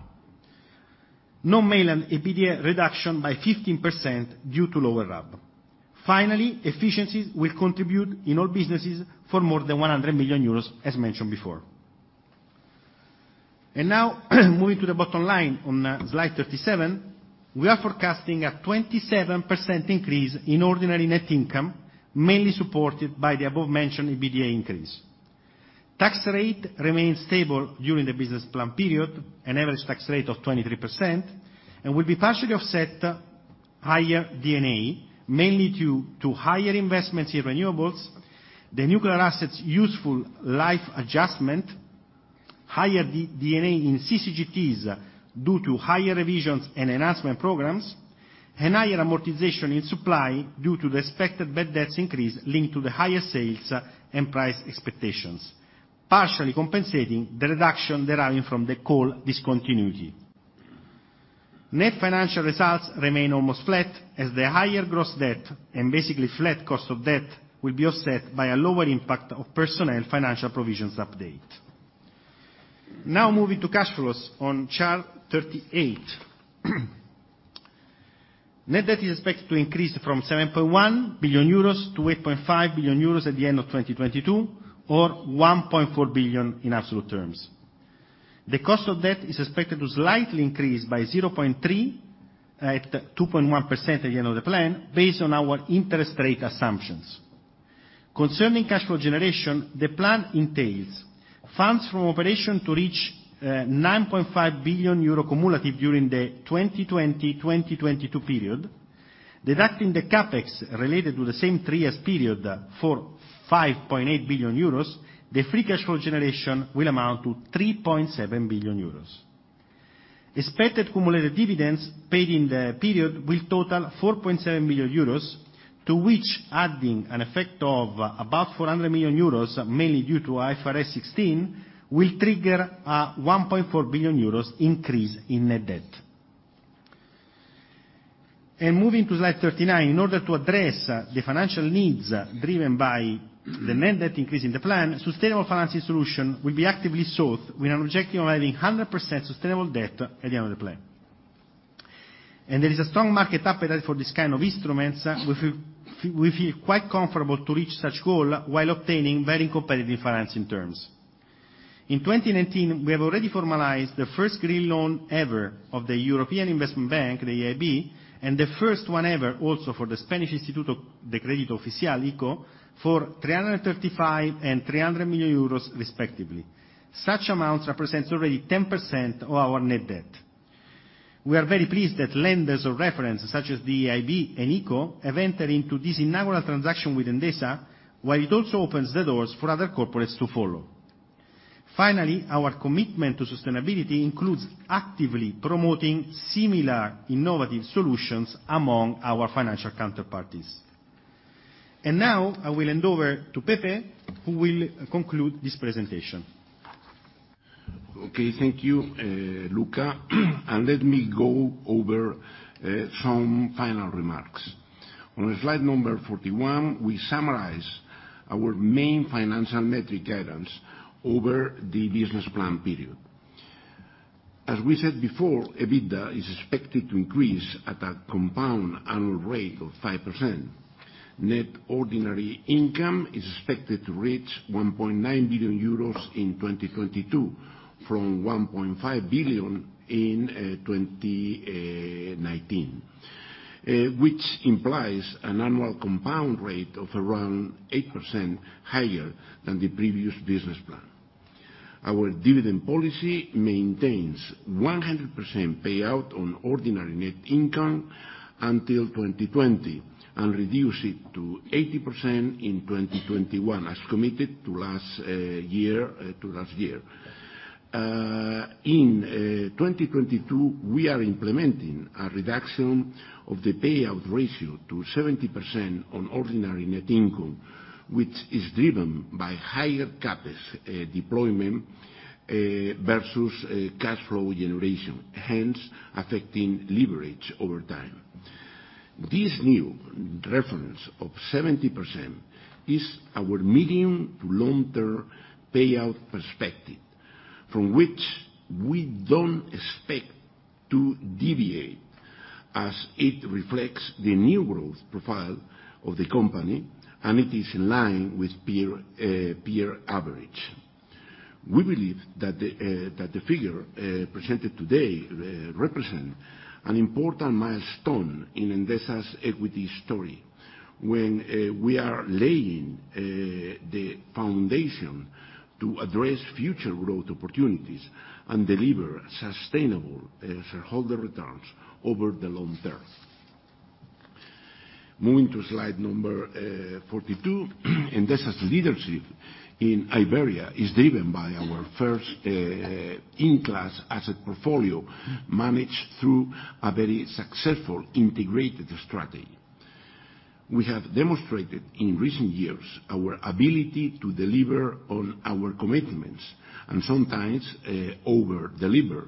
non-regulated EBITDA reduction by 15% due to lower RAB. Finally, efficiencies will contribute in all businesses for more than 100 million euros, as mentioned before, and now, moving to the bottom line on slide 37, we are forecasting a 27% increase in ordinary net income, mainly supported by the above-mentioned EBITDA increase. Tax rate remains stable during the business plan period, an average tax rate of 23%, and will be partially offset higher D&A, mainly due to higher investments in renewables, the nuclear assets' useful life adjustment, higher D&A in CCGTs due to higher revisions and enhancement programs, and higher amortization in Supply due to the expected bad debts increase linked to the higher sales and price expectations, partially compensating the reduction deriving from the coal discontinuity. Net financial results remain almost flat, as the higher gross debt and basically flat cost of debt will be offset by a lower impact of personnel financial provisions update. Now, moving to cash flows on chart 38. Net debt is expected to increase from 7.1 billion euros to 8.5 billion euros at the end of 2022, or 1.4 billion in absolute terms. The cost of debt is expected to slightly increase by 0.3 at 2.1% at the end of the plan, based on our interest rate assumptions. Concerning cash flow generation, the plan entails funds from operation to reach 9.5 billion euro cumulative during the 2020-2022 period, deducting the CapEx related to the same three-year period for 5.8 billion euros. The free cash flow generation will amount to 3.7 billion euros. Expected cumulative dividends paid in the period will total 4.7 billion euros, to which adding an effect of about 400 million euros, mainly due to IFRS 16, will trigger a 1.4 billion euros increase in net debt. Moving to slide 39, in order to address the financial needs driven by the net debt increase in the plan, sustainable financing solution will be actively sought with an objective of having 100% sustainable debt at the end of the plan. There is a strong market appetite for this kind of instruments. We feel quite comfortable to reach such goal while obtaining very competitive financing terms. In 2019, we have already formalized the first green loan ever of the European Investment Bank, the EIB, and the first one ever also for the Spanish Instituto de Crédito Oficial, ICO, for 335 million and 300 million euros, respectively. Such amounts represent already 10% of our net debt. We are very pleased that lenders of reference, such as the EIB and ICO, have entered into this inaugural transaction with Endesa, while it also opens the doors for other corporates to follow. Finally, our commitment to sustainability includes actively promoting similar innovative solutions among our financial counterparties. Now, I will hand over to Pepe, who will conclude this presentation. Okay, thank you, Luca. Let me go over some final remarks. On slide number 41, we summarize our main financial metric guidance over the business plan period. As we said before, EBITDA is expected to increase at a compound annual rate of 5%. Net ordinary income is expected to reach 1.9 billion euros in 2022, from 1.5 billion in 2019, which implies an annual compound rate of around 8% higher than the previous business plan. Our dividend policy maintains 100% payout on ordinary net income until 2020 and reduces it to 80% in 2021, as committed to last year. In 2022, we are implementing a reduction of the payout ratio to 70% on ordinary net income, which is driven by higher CapEx deployment versus cash flow generation, hence affecting leverage over time. This new reference of 70% is our medium to long-term payout perspective, from which we don't expect to deviate, as it reflects the new growth profile of the company, and it is in line with peer average. We believe that the figure presented today represents an important milestone in Endesa's equity story when we are laying the foundation to address future growth opportunities and deliver sustainable shareholder returns over the long term. Moving to slide number 42, Endesa's leadership in Iberia is driven by our first-class asset portfolio managed through a very successful integrated strategy. We have demonstrated in recent years our ability to deliver on our commitments and sometimes over-deliver,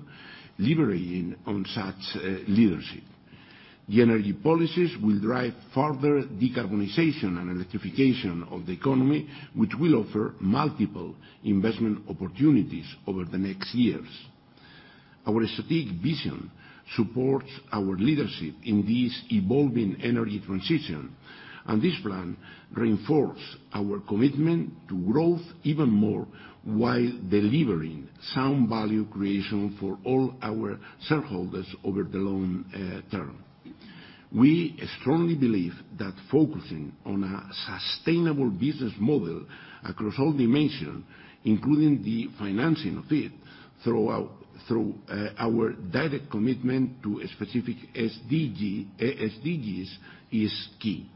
leveraging on such leadership. The energy policies will drive further decarbonization and electrification of the economy, which will offer multiple investment opportunities over the next years. Our strategic vision supports our leadership in this evolving energy transition, and this plan reinforces our commitment to growth even more while delivering sound value creation for all our shareholders over the long term. We strongly believe that focusing on a sustainable business model across all dimensions, including the financing of it, through our direct commitment to specific SDGs is key.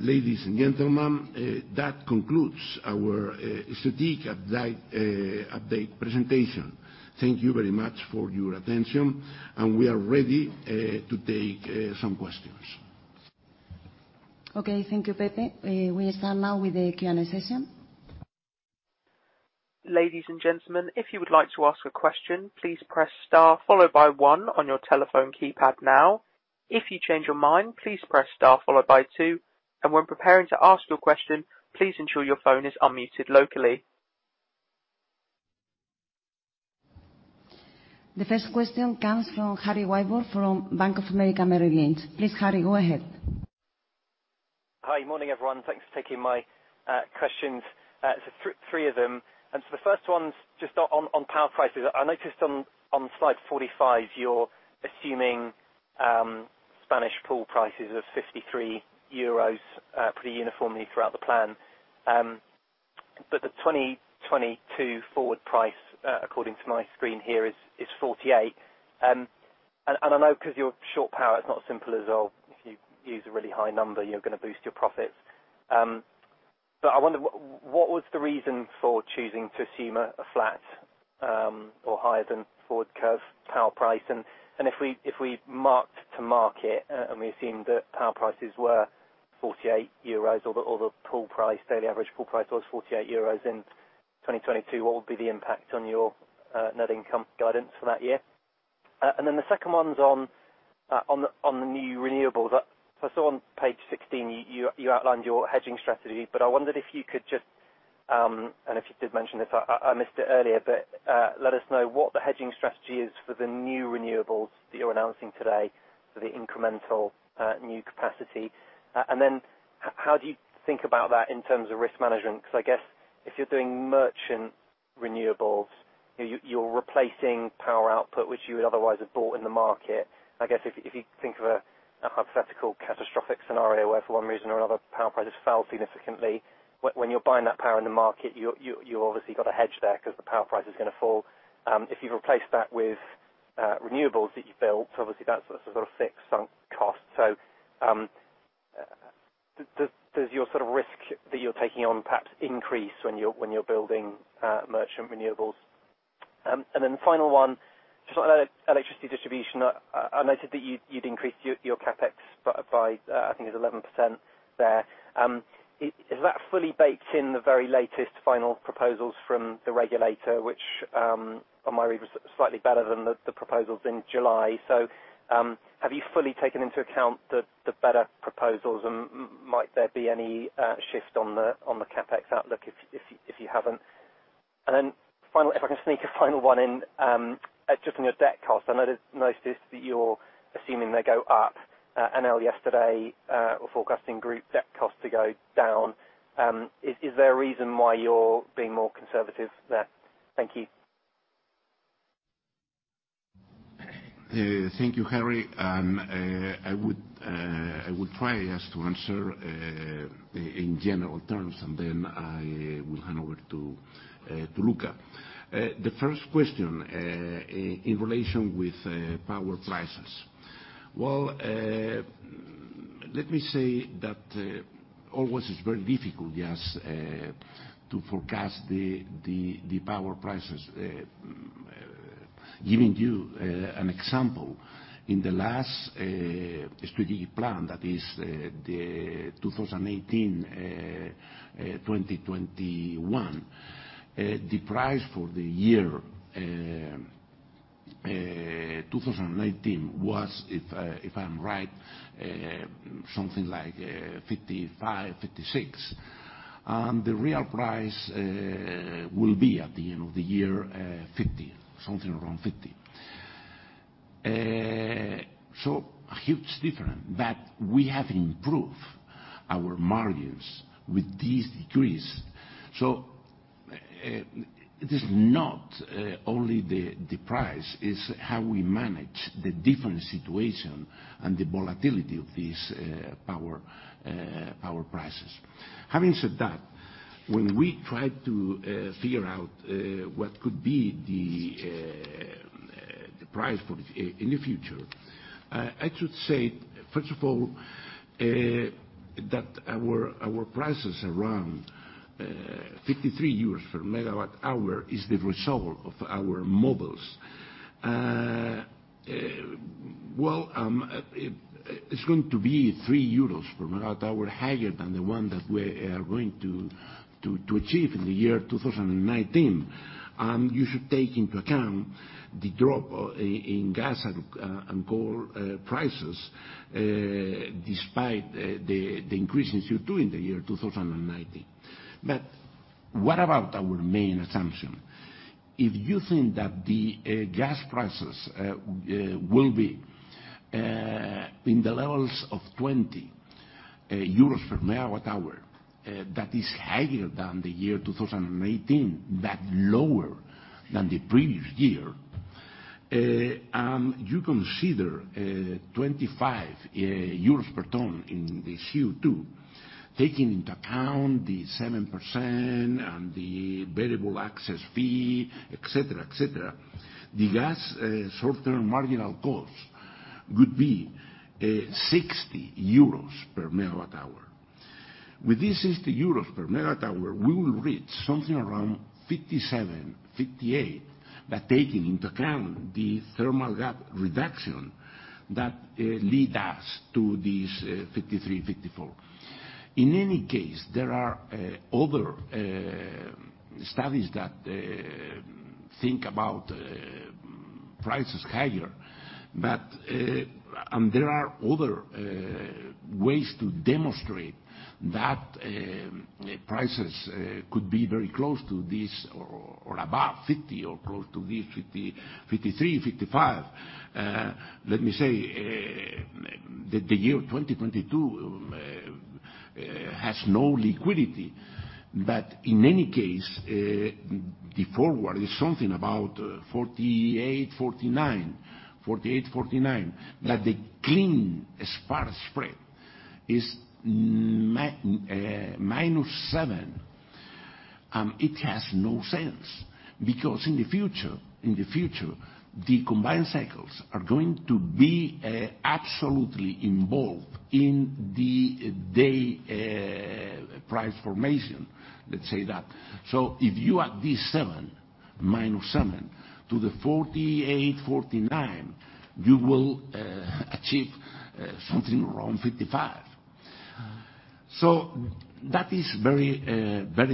Ladies and gentlemen, that concludes our strategic update presentation. Thank you very much for your attention, and we are ready to take some questions. Okay, thank you, Pepe. We stand now with the Q&A session. Ladies and gentlemen, if you would like to ask a question, please press star followed by one on your telephone keypad now. If you change your mind, please press star followed by two. When preparing to ask your question, please ensure your phone is unmuted locally. The first question comes from Harry Wyburd from Bank of America Merrill Lynch. Please, Harry, go ahead. Hi, good morning, everyone. Thanks for taking my questions. There are three of them. So the first one's just on power prices. I noticed on slide 45, you're assuming Spanish pool prices of 53 euros pretty uniformly throughout the plan. But the 2022 forward price, according to my screen here, is 48. And I know because you're short power, it's not simple at all. If you use a really high number, you're going to boost your profits. But I wonder, what was the reason for choosing to assume a flat or higher-than-forward curve power price? If we marked to market and we assumed that power prices were 48 euros, or the pool price, daily average pool price was 48 euros in 2022, what would be the impact on your net income guidance for that year? The second one is on the new renewables. I saw on page 16 you outlined your hedging strategy, but I wondered if you could just, and if you did mention this, I missed it earlier, but let us know what the hedging strategy is for the new renewables that you're announcing today for the incremental new capacity. How do you think about that in terms of risk management? Because I guess if you're doing merchant renewables, you're replacing power output, which you would otherwise have bought in the market. I guess if you think of a hypothetical catastrophic scenario where, for one reason or another, power prices fell significantly, when you're buying that power in the market, you've obviously got a hedge there because the power price is going to fall. If you've replaced that with renewables that you've built, obviously that's a sort of fixed sunk cost. So does your sort of risk that you're taking on perhaps increase when you're building merchant renewables? And then the final one, just on electricity distribution, I noted that you'd increased your CapEx by, I think it's 11% there. Is that fully baked in the very latest final proposals from the regulator, which, on my read, was slightly better than the proposals in July? So have you fully taken into account the better proposals, and might there be any shift on the CapEx outlook if you haven't? And then if I can sneak a final one in, just on your debt cost. I noticed that you're assuming they go up. Enel yesterday were forecasting group debt costs to go down. Is there a reason why you're being more conservative there? Thank you. Thank you, Harry. I would try just to answer in general terms, and then I will hand over to Luca. The first question in relation with power prices. Well, let me say that always it's very difficult, yes, to forecast the power prices. Giving you an example, in the last strategic plan, that is the 2018-2021, the price for the year 2019 was, if I'm right, something like 55, 56. And the real price will be at the end of the year 50, something around 50. So a huge difference. But we have improved our margins with these decreases. So it is not only the price, it's how we manage the different situation and the volatility of these power prices. Having said that, when we try to figure out what could be the price in the future, I should say, first of all, that our prices around 53 EUR/MWh is the result of our models. Well, it's going to be 3 EUR/MWh higher than the one that we are going to achieve in the year 2019. And you should take into account the drop in gas and coal prices despite the increases you're doing in the year 2019. But what about our main assumption? If you think that the gas prices will be in the levels of 20 EUR/MWh, that is higher than the year 2018, but lower than the previous year, and you consider 25 euros per ton in the CO2, taking into account the 7% and the variable access fee, etc., etc., the gas short-term marginal cost would be 60 EUR/MWh. With these 60 EUR/MWh, we will reach something around 57, 58, but taking into account the thermal gap reduction that led us to these 53, 54. In any case, there are other studies that think about prices higher, and there are other ways to demonstrate that prices could be very close to these or above 50 or close to these 53, 55. Let me say that the year 2022 has no liquidity. But in any case, the forward is something about 48, 49, 48, 49, but the clean spark spread is -7. It has no sense because in the future, the combined cycles are going to be absolutely involved in the day price formation, let's say that. So if you add this 7, -7, to the 48, 49, you will achieve something around 55. So that is very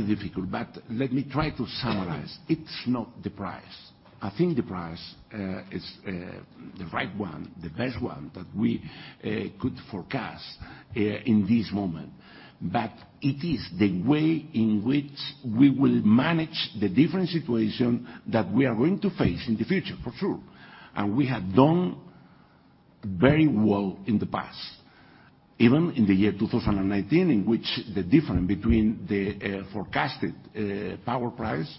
difficult, but let me try to summarize. It's not the price. I think the price is the right one, the best one that we could forecast in this moment. But it is the way in which we will manage the different situation that we are going to face in the future, for sure. We have done very well in the past, even in the year 2019, in which the difference between the forecasted power price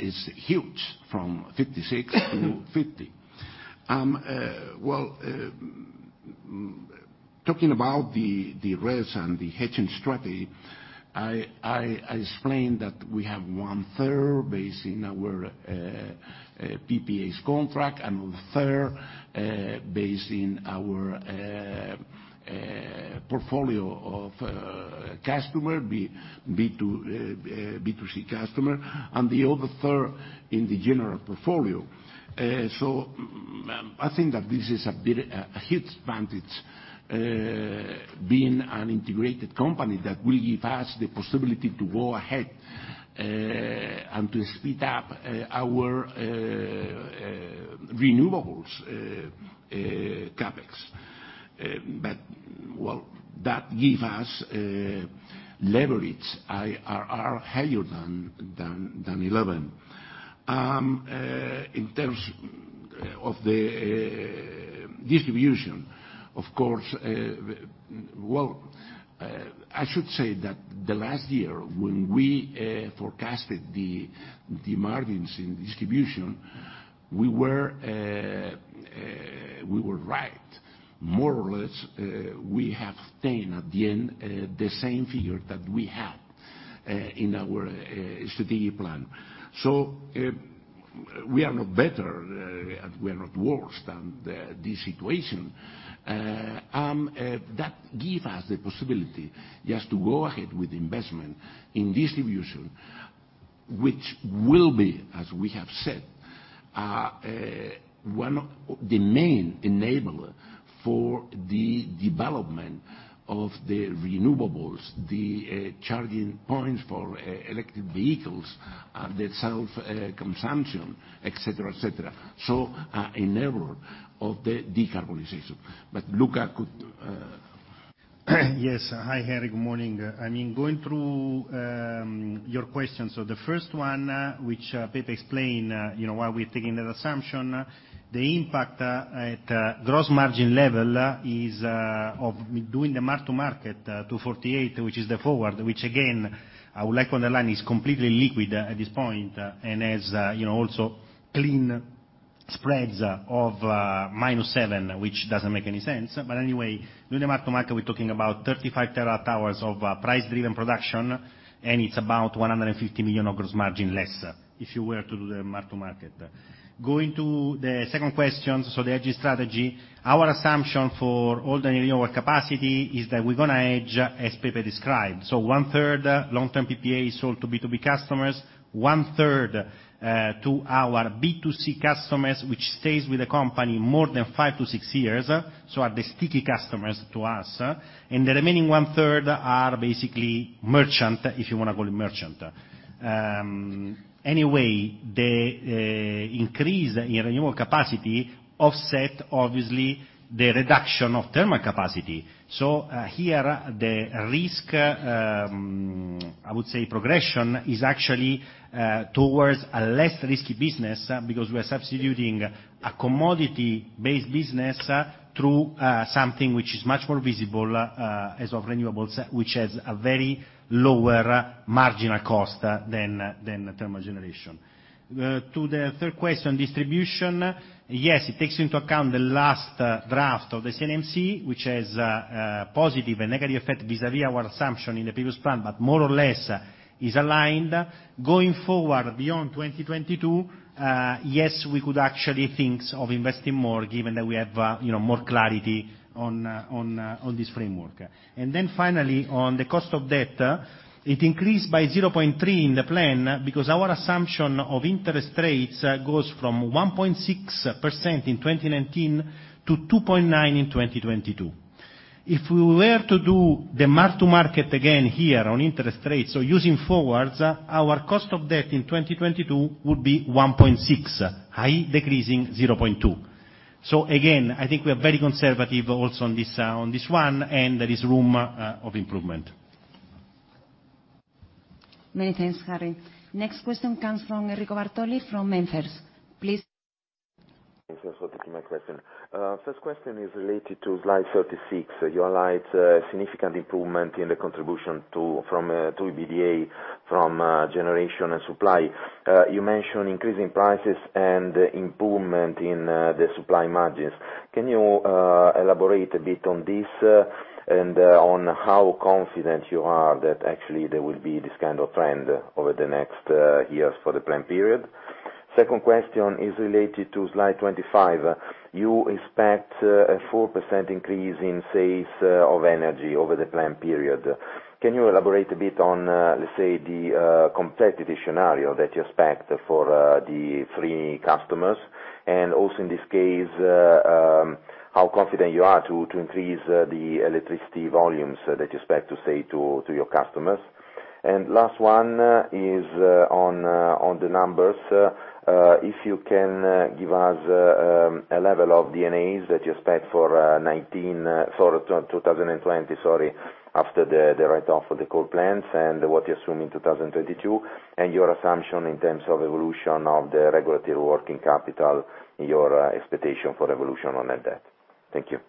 is huge, from 56-50. Talking about the RES and the hedging strategy, I explained that we have one third based in our PPAs contracts and one third based in our portfolio of customers, B2C customers, and the other third in the general portfolio. I think that this is a huge advantage being an integrated company that will give us the possibility to go ahead and to speed up our renewables CapEx. That gives us leverage higher than 11. In terms of the distribution, of course, I should say that the last year when we forecasted the margins in distribution, we were right. More or less, we have stayed at the end the same figure that we had in our strategic plan. So we are not better and we are not worse than this situation. And that gives us the possibility just to go ahead with investment in distribution, which will be, as we have said, one of the main enablers for the development of the renewables, the charging points for electric vehicles, the self-consumption, etc., etc. So an enabler of the decarbonization. But Luca could. Yes. Hi, Harry. Good morning. I mean, going through your questions, so the first one, which Pepe explained why we're taking that assumption, the impact at gross margin level is of doing the mark-to-market to 48, which is the forward, which, again, I would like to underline, is completely liquid at this point and has also clean spreads of -7, which doesn't make any sense. Anyway, doing the mark-to-market, we're talking about 35 TWh of price-driven production, and it's about 150 million of gross margin less if you were to do the mark-to-market. Going to the second question, the hedging strategy. Our assumption for all the renewable capacity is that we're going to hedge, as Pepe described. One third long-term PPA sold to B2B customers, 1/3 to our B2C customers, which stays with the company more than five to six years, so are the sticky customers to us. The remaining 1/3 are basically merchant, if you want to call it merchant. Anyway, the increase in renewable capacity offsets, obviously, the reduction of thermal capacity. So here, the risk, I would say, progression is actually towards a less risky business because we are substituting a commodity-based business through something which is much more visible as of renewables, which has a very lower marginal cost than thermal generation. To the third question, distribution, yes, it takes into account the last draft of the CNMC, which has positive and negative effect vis-à-vis our assumption in the previous plan, but more or less is aligned. Going forward beyond 2022, yes, we could actually think of investing more given that we have more clarity on this framework. And then finally, on the cost of debt, it increased by 0.3 in the plan because our assumption of interest rates goes from 1.6% in 2019 to 2.9% in 2022. If we were to do the mark-to-market again here on interest rates, so using forwards, our cost of debt in 2022 would be 1.6%, i.e., decreasing 0.2%. So again, I think we are very conservative also on this one, and there is room for improvement. Many thanks, Harry. Next question comes from Enrico Bartoli from MainFirst. Please. Thank you for taking my question. First question is related to slide 36. You highlight significant improvement in the contribution from EBITDA from Generation and Supply. You mentioned increasing prices and improvement in the Supply margins. Can you elaborate a bit on this and on how confident you are that actually there will be this kind of trend over the next years for the planned period? Second question is related to slide 25. You expect a 4% increase in sales of energy over the planned period. Can you elaborate a bit on, let's say, the competitive scenario that you expect for the three customers? And also, in this case, how confident you are to increase the electricity volumes that you expect to sell to your customers? And last one is on the numbers. If you can give us a level of D&A that you expect for 2020, sorry, after the write-off of the coal plants and what you assume in 2022, and your assumption in terms of evolution of the regulatory working capital and your expectation for evolution on that debt. Thank you.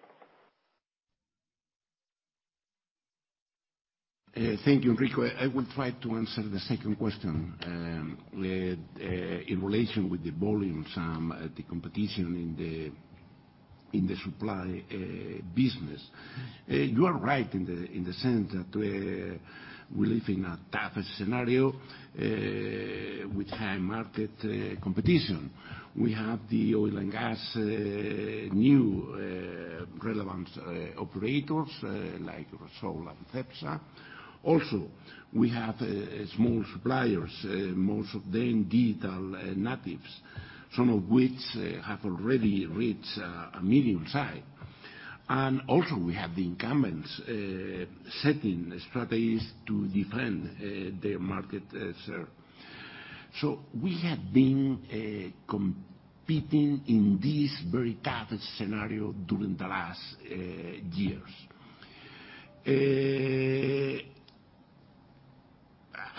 Thank you, Enrico. I will try to answer the second question in relation with the volumes, the competition in the Supply business. You are right in the sense that we live in a tough scenario with high market competition. We have the oil and gas new relevant operators like Repsol and Cepsa. Also, we have small suppliers, most of them digital natives, some of which have already reached a medium size. And also, we have the incumbents setting strategies to defend their market share. So we have been competing in this very tough scenario during the last years.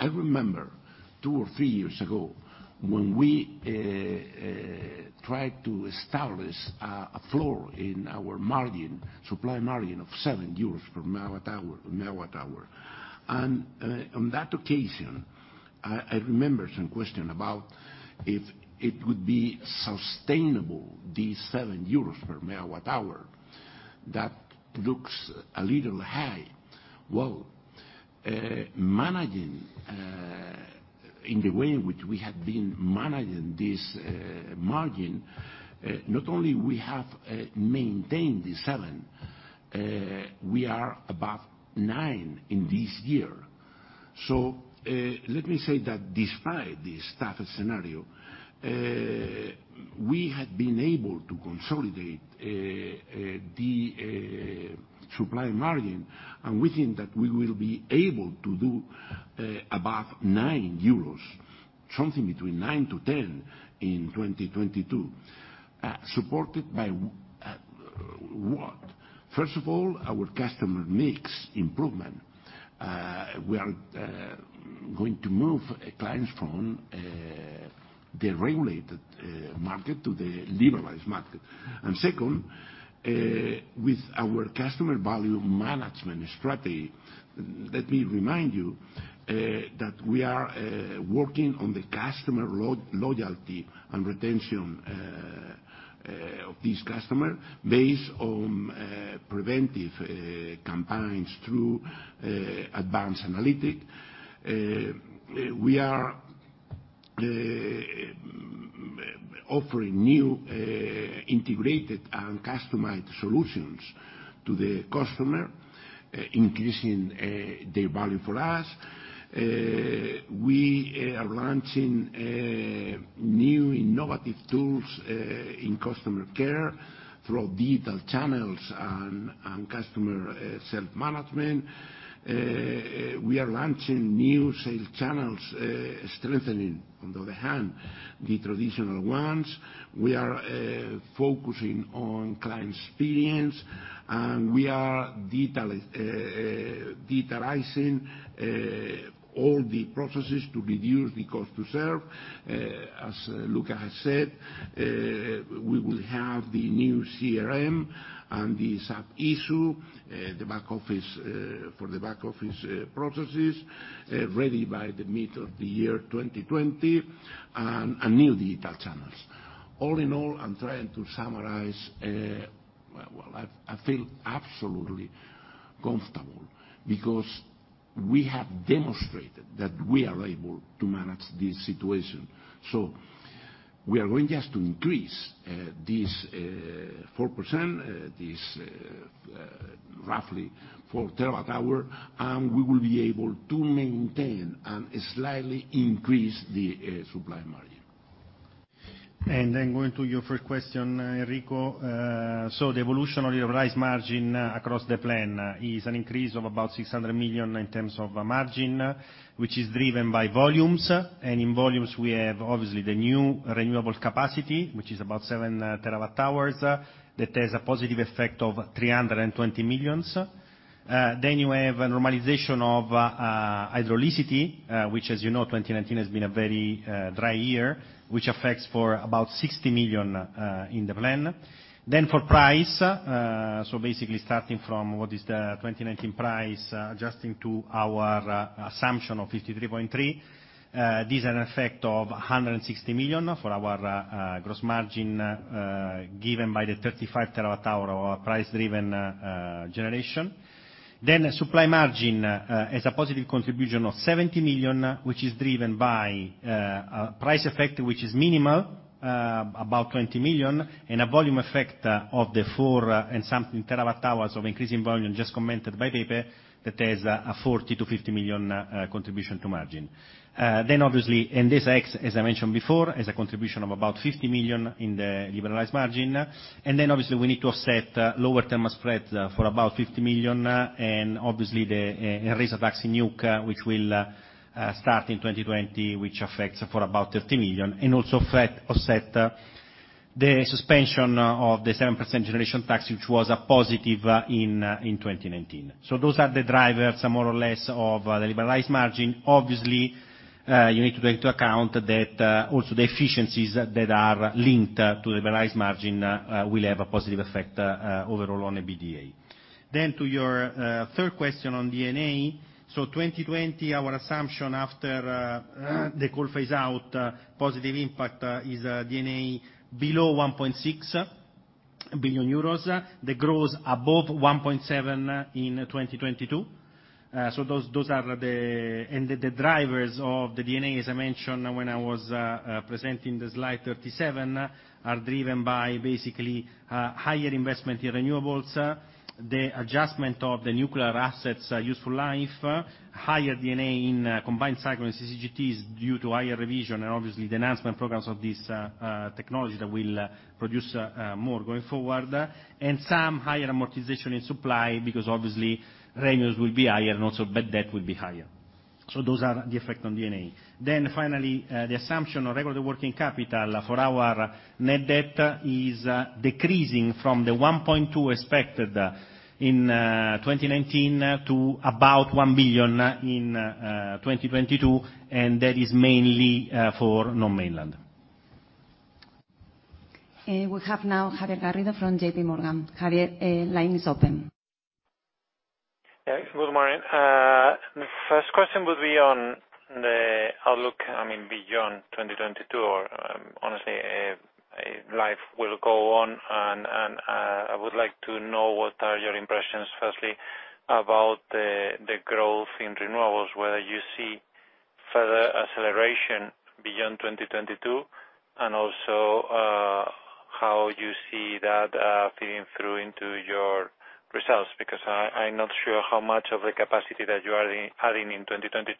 I remember two or three years ago when we tried to establish a floor in our margin, Supply margin of 7 EUR/MWh. And on that occasion, I remember some question about if it would be sustainable, these 7 EUR/MWh, that looks a little high. Well, managing in the way in which we have been managing this margin, not only have we maintained the 7, we are above 9 in this year. So let me say that despite this tough scenario, we have been able to consolidate the Supply margin, and we think that we will be able to do above 9 euros, something between 9-10 in 2022, supported by what? First of all, our customer mix improvement. We are going to move clients from the regulated market to the liberalized market. And second, with our customer value management strategy, let me remind you that we are working on the customer loyalty and retention of these customers based on preventive campaigns through advanced analytics. We are offering new integrated and customized solutions to the customer, increasing their value for us. We are launching new innovative tools in customer care through digital channels and customer self-management. We are launching new sales channels, strengthening, on the other hand, the traditional ones. We are focusing on client experience, and we are digitalizing all the processes to reduce the cost to serve. As Luca has said, we will have the new CRM and the SAP IS-U, the back office for the back office processes ready by the mid of the year 2020, and new digital channels. All in all, I'm trying to summarize. Well, I feel absolutely comfortable because we have demonstrated that we are able to manage this situation. We are going just to increase this 4%, this roughly 4 TWh, and we will be able to maintain and slightly increase the Supply margin. Then going to your first question, Enrico, the evolution of the price margin across the plan is an increase of about 600 million in terms of margin, which is driven by volumes. And in volumes, we have obviously the new renewable capacity, which is about 7 TWh. That has a positive effect of 320 million. Then you have normalization of hydraulicity, which, as you know, 2019 has been a very dry year, which affects for about 60 million in the plan. Then for price, so basically starting from what is the 2019 price, adjusting to our assumption of 53.3, these are an effect of 160 million for our gross margin given by the 35 TWh of our price-driven generation. Then Supply margin has a positive contribution of 70 million, which is driven by a price effect which is minimal, about 20 million, and a volume effect of the 4 and something terawatt hours of increasing volume just commented by Pepe that has a 40 million-50 million contribution to margin. Then obviously, and this acts, as I mentioned before, has a contribution of about 50 million in the liberalized margin. And then obviously, we need to offset lower thermal spreads for about 50 million, and obviously, the raise of tax in [EUCA], which will start in 2020, which affects for about 30 million, and also offset the suspension of the 7% generation tax, which was a positive in 2019. So those are the drivers more or less of the liberalized margin. Obviously, you need to take into account that also the efficiencies that are linked to the liberalized margin will have a positive effect overall on the EBITDA. Then to your third question on D&A, so 2020, our assumption after the coal phase-out positive impact is D&A below 1.6 billion euros. The growth above 1.7 billion in 2022. Those are the drivers of the D&A, as I mentioned when I was presenting the slide 37. They are driven by basically higher investment in renewables, the adjustment of the nuclear assets' useful life, higher D&A in combined cycle and CCGTs due to higher revision, and obviously, the enhancement programs of this technology that will produce more going forward, and some higher amortization in Supply because obviously, revenues will be higher and also bad debt will be higher. Those are the effect on D&A. Then finally, the assumption of regular working capital for our net debt is decreasing from the 1.2 billion expected in 2019 to about 1 billion in 2022, and that is mainly for non-mainland. We have now Javier Garrido from JPMorgan. Javier, line is open. Thanks. Good morning. The first question would be on the outlook, I mean, beyond 2022, or honestly, life will go on, and I would like to know what are your impressions firstly about the growth in renewables, whether you see further acceleration beyond 2022, and also how you see that feeding through into your results, because I'm not sure how much of the capacity that you are adding in 2022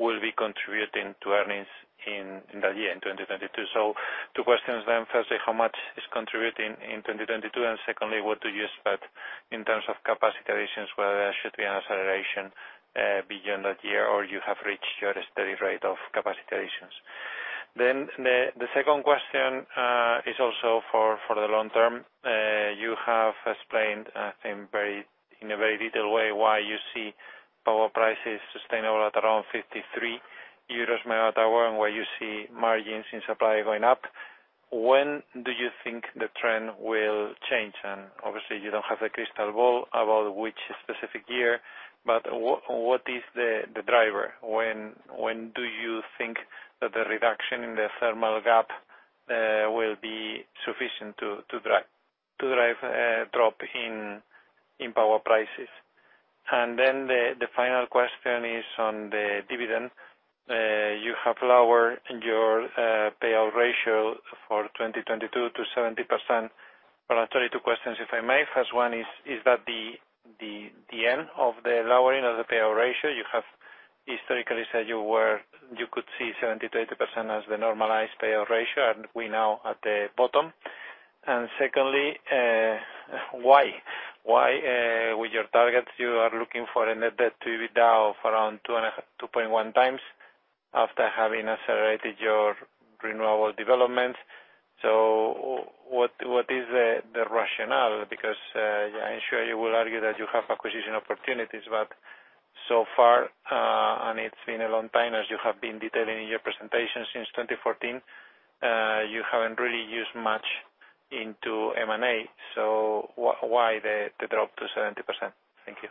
will be contributing to earnings in that year in 2022. So two questions then firstly, how much is contributing in 2022, and secondly, what do you expect in terms of capacity additions, whether there should be an acceleration beyond that year or you have reached your steady rate of capacity additions. Then the second question is also for the long term. You have explained, I think, in a very detailed way why you see power prices sustainable at around 53 EUR/MWh and why you see margins in Supply going up. When do you think the trend will change? And obviously, you don't have the crystal ball about which specific year, but what is the driver? When do you think that the reduction in the thermal gap will be sufficient to drive a drop in power prices? And then the final question is on the dividend. You have lowered your payout ratio for 2022 to 70%. But I have 32 questions, if I may. First one is, is that the end of the lowering of the payout ratio? You have historically said you could see 70%-80% as the normalized payout ratio, and we're now at the bottom. And secondly, why? Why, with your targets, you are looking for a net debt to be down to around 2.1x after having accelerated your renewable development? So what is the rationale? Because I'm sure you will argue that you have acquisition opportunities, but so far, and it's been a long time, as you have been detailing in your presentation, since 2014, you haven't really used much into M&A. So why the drop to 70%? Thank you.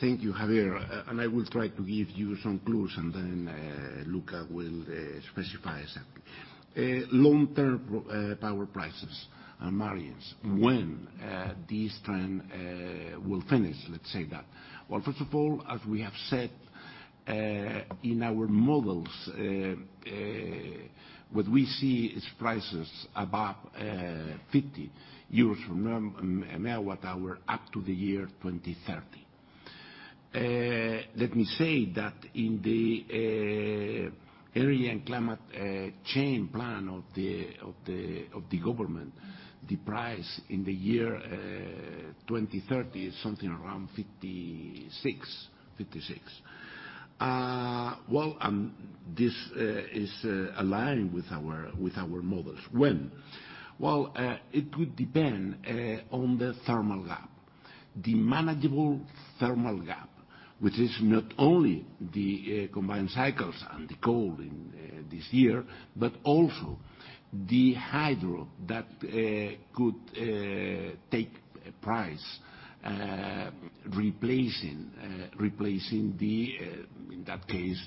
Thank you, Javier. And I will try to give you some clues, and then Luca will specify exactly. Long-term power prices and margins, when this trend will finish, let's say that. Well, first of all, as we have said in our models, what we see is prices above 50 EUR/MWh up to the year 2030. Let me say that in the national energy and climate plan of the government, the price in the year 2030 is something around 56, and this is aligned with our models. When? It would depend on the thermal gap. The manageable thermal gap, which is not only the combined cycles and the coal in this year, but also the hydro that could take price replacing the, in that case,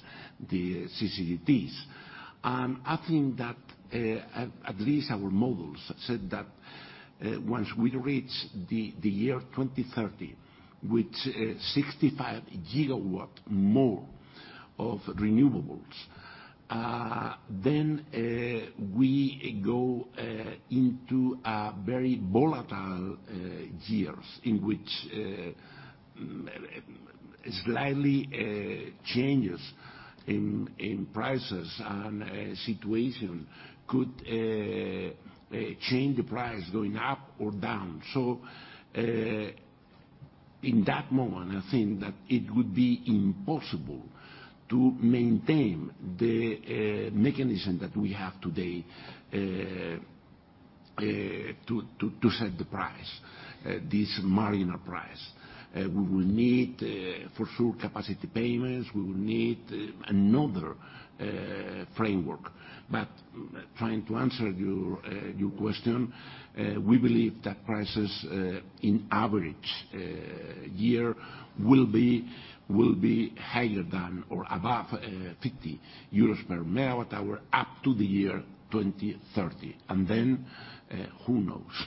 the CCGTs. And I think that at least our models said that once we reach the year 2030 with 65 GW more of renewables, then we go into very volatile years in which slight changes in prices and situation could change the price going up or down. In that moment, I think that it would be impossible to maintain the mechanism that we have today to set the price, this marginal price. We will need for sure capacity payments. We will need another framework. But trying to answer your question, we believe that prices in average year will be higher than or above 50 EUR/MWh up to the year 2030. And then who knows?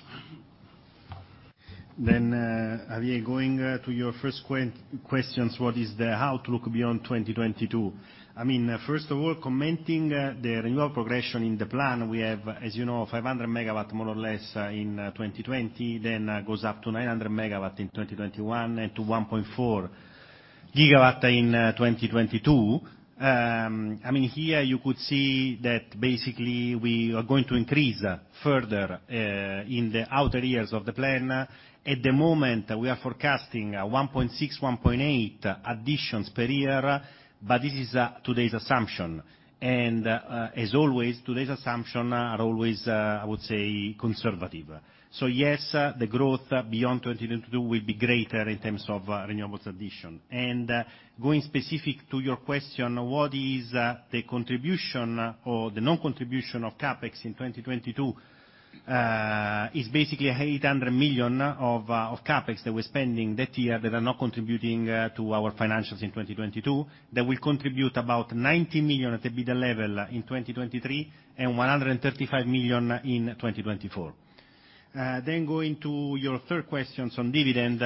Then, Javier, going to your first questions, what is the how to look beyond 2022? I mean, first of all, commenting the renewable progression in the plan, we have, as you know, 500 MW more or less in 2020, then goes up to 900 MW in 2021 and to 1.4 GW in 2022. I mean, here you could see that basically we are going to increase further in the outer years of the plan. At the moment, we are forecasting 1.6 GW, 1.8 GW additions per year, but this is today's assumption. And as always, today's assumptions are always, I would say, conservative. Yes, the growth beyond 2022 will be greater in terms of renewables addition. And going specific to your question, what is the contribution or the non-contribution of CapEx in 2022? It's basically 800 million of CapEx that we're spending that year that are not contributing to our financials in 2022. That will contribute about 90 million at the EBITDA level in 2023 and 135 million in 2024. Then going to your third question on dividend,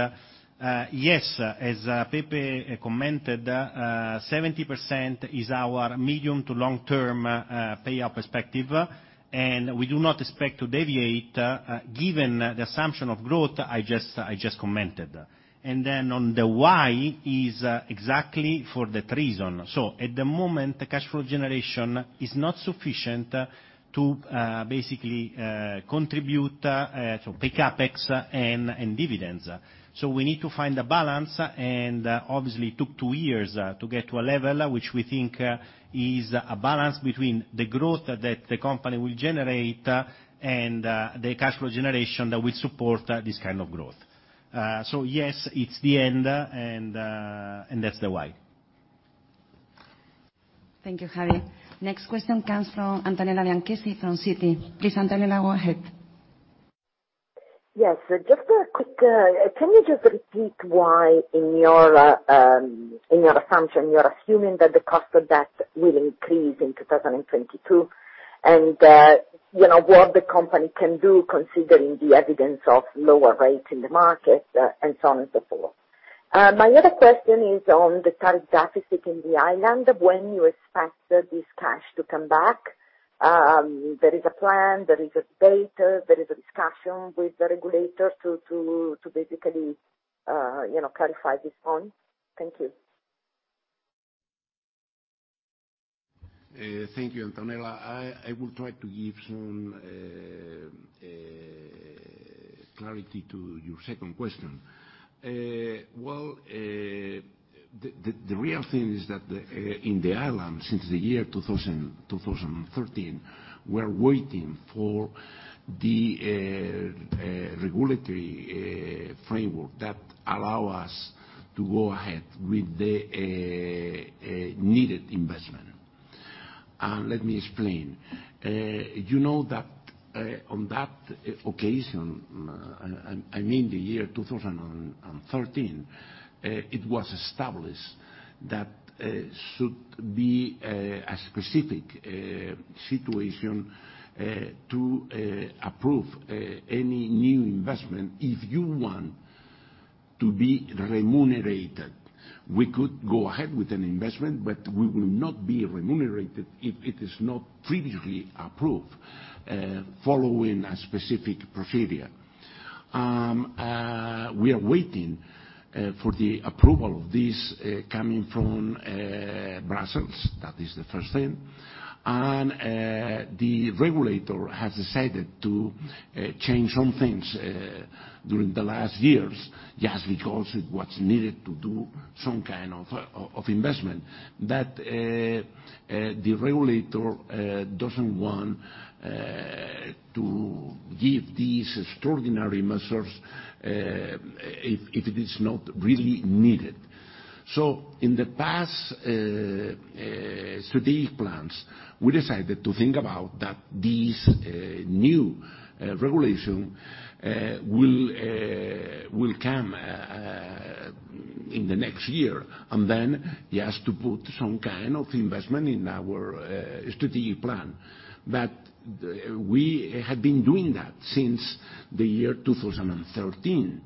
yes, as Pepe commented, 70% is our medium to long-term payout perspective, and we do not expect to deviate given the assumption of growth I just commented. And then on the why is exactly for that reason. So at the moment, the cash flow generation is not sufficient to basically contribute to pay CapEx and dividends. So we need to find a balance, and obviously, it took two years to get to a level which we think is a balance between the growth that the company will generate and the cash flow generation that will support this kind of growth. So yes, it's the end, and that's the why. Thank you, Javier. Next question comes from Antonella Bianchessi from Citi. Please, Antonella, go ahead. Yes. Just a quick, can you just repeat why in your assumption you're assuming that the cost of debt will increase in 2022 and what the company can do considering the evidence of lower rates in the market and so on and so forth? My other question is on the tariff deficit in the islands. When you expect this cash to come back? There is a plan, there is a date, there is a discussion with the regulator to basically clarify this point. Thank you. Thank you, Antonella. I will try to give some clarity to your second question. The real thing is that in the island, since the year 2013, we're waiting for the regulatory framework that allows us to go ahead with the needed investment. Let me explain. You know that on that occasion, I mean the year 2013, it was established that there should be a specific situation to approve any new investment if you want to be remunerated. We could go ahead with an investment, but we will not be remunerated if it is not previously approved following a specific procedure. We are waiting for the approval of this coming from Brussels. That is the first thing. The regulator has decided to change some things during the last years just because it was needed to do some kind of investment, that the regulator doesn't want to give these extraordinary measures if it is not really needed. In the past strategic plans, we decided to think about that this new regulation will come in the next year and then just to put some kind of investment in our strategic plan. We had been doing that since the year 2013,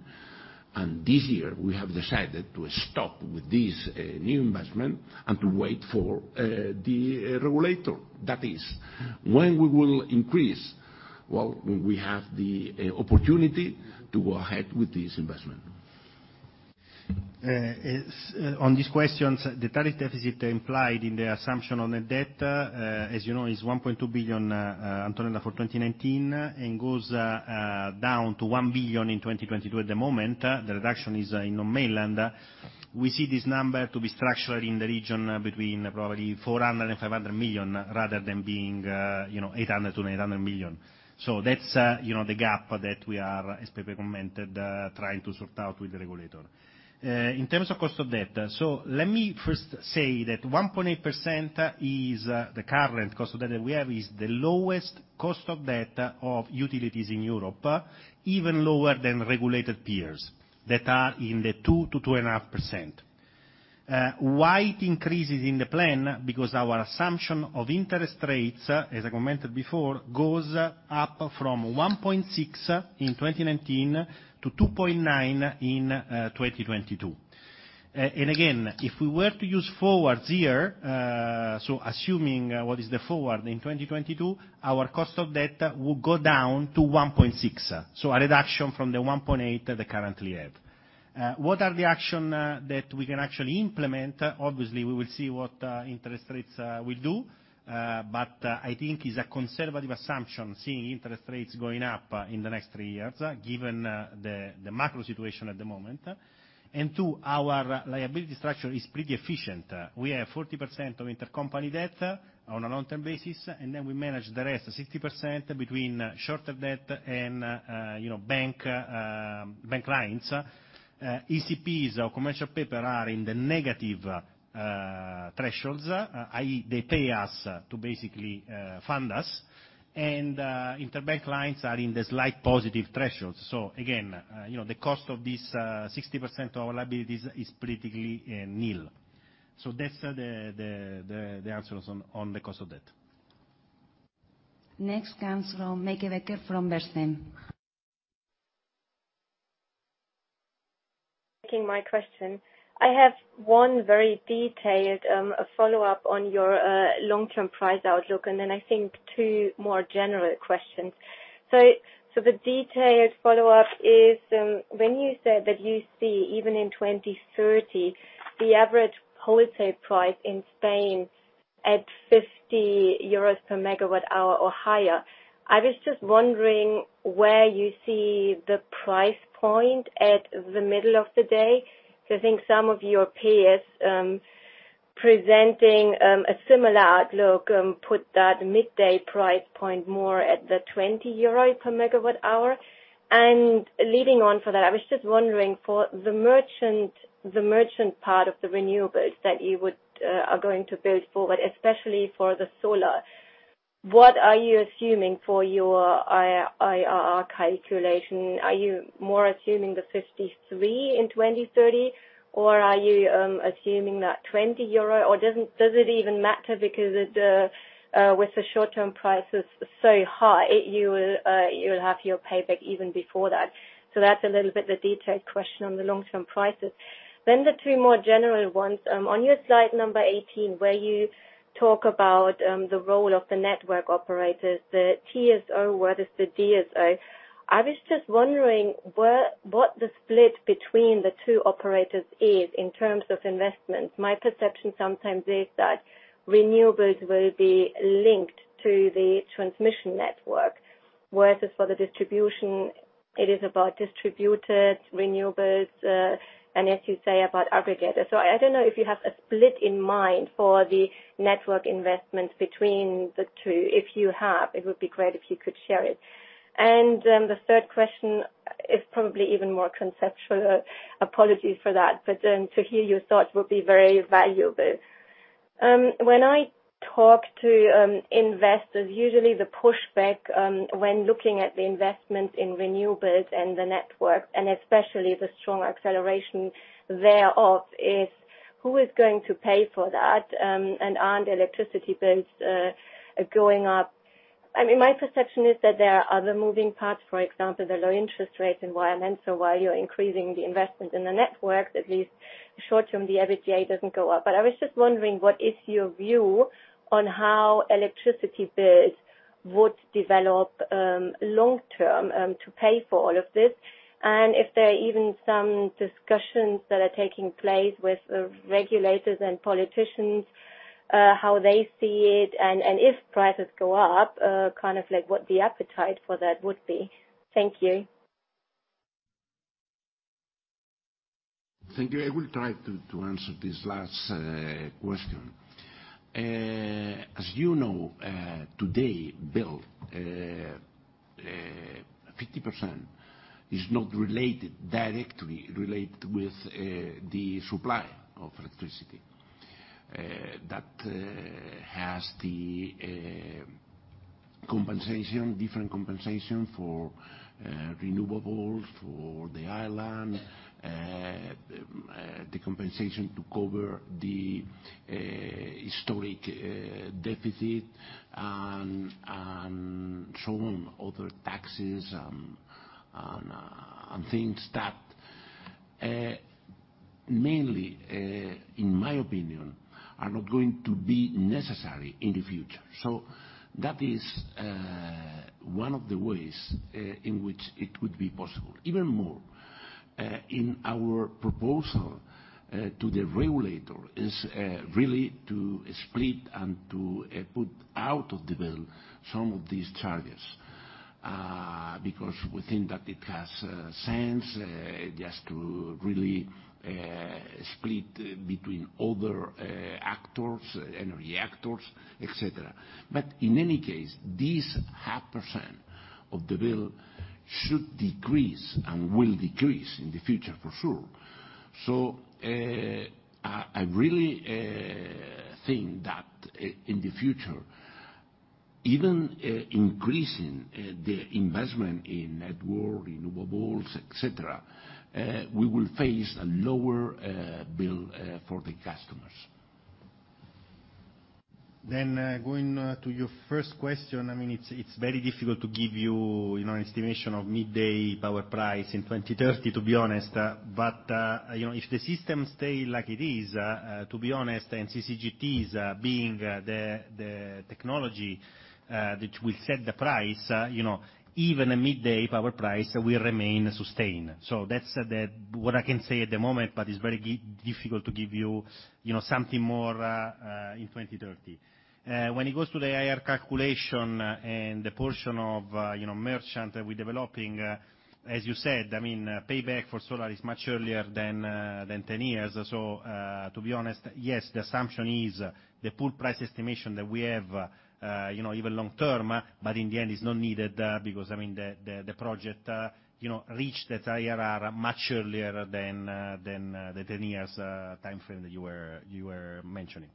and this year we have decided to stop with this new investment and to wait for the regulator. That is, when we will increase, well, when we have the opportunity to go ahead with this investment. On these questions, the tariff deficit implied in the assumption on the debt, as you know, is 1.2 billion, Antonella, for 2019 and goes down to 1 billion in 2022 at the moment. The reduction is in non-mainland. We see this number to be structurally in the region between probably 400 million and 500 million rather than being 800 million to 900 million. So that's the gap that we are, as Pepe commented, trying to sort out with the regulator. In terms of cost of debt, so let me first say that 1.8% is the current cost of debt that we have is the lowest cost of debt of utilities in Europe, even lower than regulated peers that are in the 2%-2.5%. Why it increases in the plan? Because our assumption of interest rates, as I commented before, goes up from 1.6% in 2019 to 2.9% in 2022. And again, if we were to use forwards here, so assuming what is the forward in 2022, our cost of debt will go down to 1.6%. So a reduction from the 1.8% that they currently have. What are the actions that we can actually implement? Obviously, we will see what interest rates will do, but I think it's a conservative assumption seeing interest rates going up in the next three years given the macro situation at the moment. And two, our liability structure is pretty efficient. We have 40% of intercompany debt on a long-term basis, and then we manage the rest, 60% between shorter debt and bank lines. ECPs or commercial paper are in the negative thresholds, i.e., they pay us to basically fund us, and interbank lines are in the slight positive thresholds. So again, the cost of this 60% of our liabilities is pretty nil. So that's the answer on the cost of debt. Next comes from Meike Becker from Bernstein. Thank you for taking my question. I have one very detailed follow-up on your long-term price outlook, and then I think two more general questions. So the detailed follow-up is when you said that you see, even in 2030, the average wholesale price in Spain at 50 EUR/MWh or higher. I was just wondering where you see the price point at the middle of the day. So I think some of your peers presenting a similar outlook put that midday price point more at the 20 EUR/MWh. And leading on from that, I was just wondering for the merchant part of the renewables that you are going to build going forward, especially for the solar, what are you assuming for your IRR calculation? Are you more assuming the 53 in 2030, or are you assuming that 20 euro? Or does it even matter because with the short-term prices so high, you'll have your payback even before that? So that's a little bit the detailed question on the long-term prices. Then the two more general ones. On your slide number 18, where you talk about the role of the network operators, the TSO versus the DSO, I was just wondering what the split between the two operators is in terms of investments. My perception sometimes is that renewables will be linked to the transmission network versus for the distribution, it is about distributed renewables and, as you say, about aggregators. So I don't know if you have a split in mind for the network investments between the two. If you have, it would be great if you could share it. And the third question is probably even more conceptual. Apologies for that, but to hear your thoughts would be very valuable. When I talk to investors, usually the pushback when looking at the investments in renewables and the network, and especially the strong acceleration thereof, is who is going to pay for that? And aren't electricity bills going up? I mean, my perception is that there are other moving parts, for example, the low interest rate environment. So while you're increasing the investment in the network, at least short-term, the average bill doesn't go up. But I was just wondering what is your view on how electricity bills would develop long-term to pay for all of this? And if there are even some discussions that are taking place with regulators and politicians, how they see it, and if prices go up, kind of like what the appetite for that would be? Thank you. Thank you. I will try to answer this last question. As you know, today, Bill, 50% is not related, directly related with the supply of electricity. That has the compensation, different compensation for renewables, for the island, the compensation to cover the historic deficit, and so on, other taxes and things that, mainly, in my opinion, are not going to be necessary in the future. So that is one of the ways in which it would be possible. Even more, in our proposal to the regulator, is really to split and to put out of the bill some of these charges because we think that it has sense just to really split between other actors, energy actors, etc. But in any case, this 0.5% of the bill should decrease and will decrease in the future, for sure. So I really think that in the future, even increasing the investment in network, renewables, etc., we will face a lower bill for the customers. Then going to your first question, I mean, it's very difficult to give you an estimation of midday power price in 2030, to be honest. But if the system stays like it is, to be honest, and CCGTs being the technology that will set the price, even a midday power price will remain sustained. That's what I can say at the moment, but it's very difficult to give you something more in 2030. When it goes to the IRR calculation and the portion of merchant that we're developing, as you said, I mean, payback for solar is much earlier than 10 years. To be honest, yes, the assumption is the PPA price estimation that we have even long-term, but in the end, it's not needed because, I mean, the project reached its IRR much earlier than the 10 years timeframe that you were mentioning.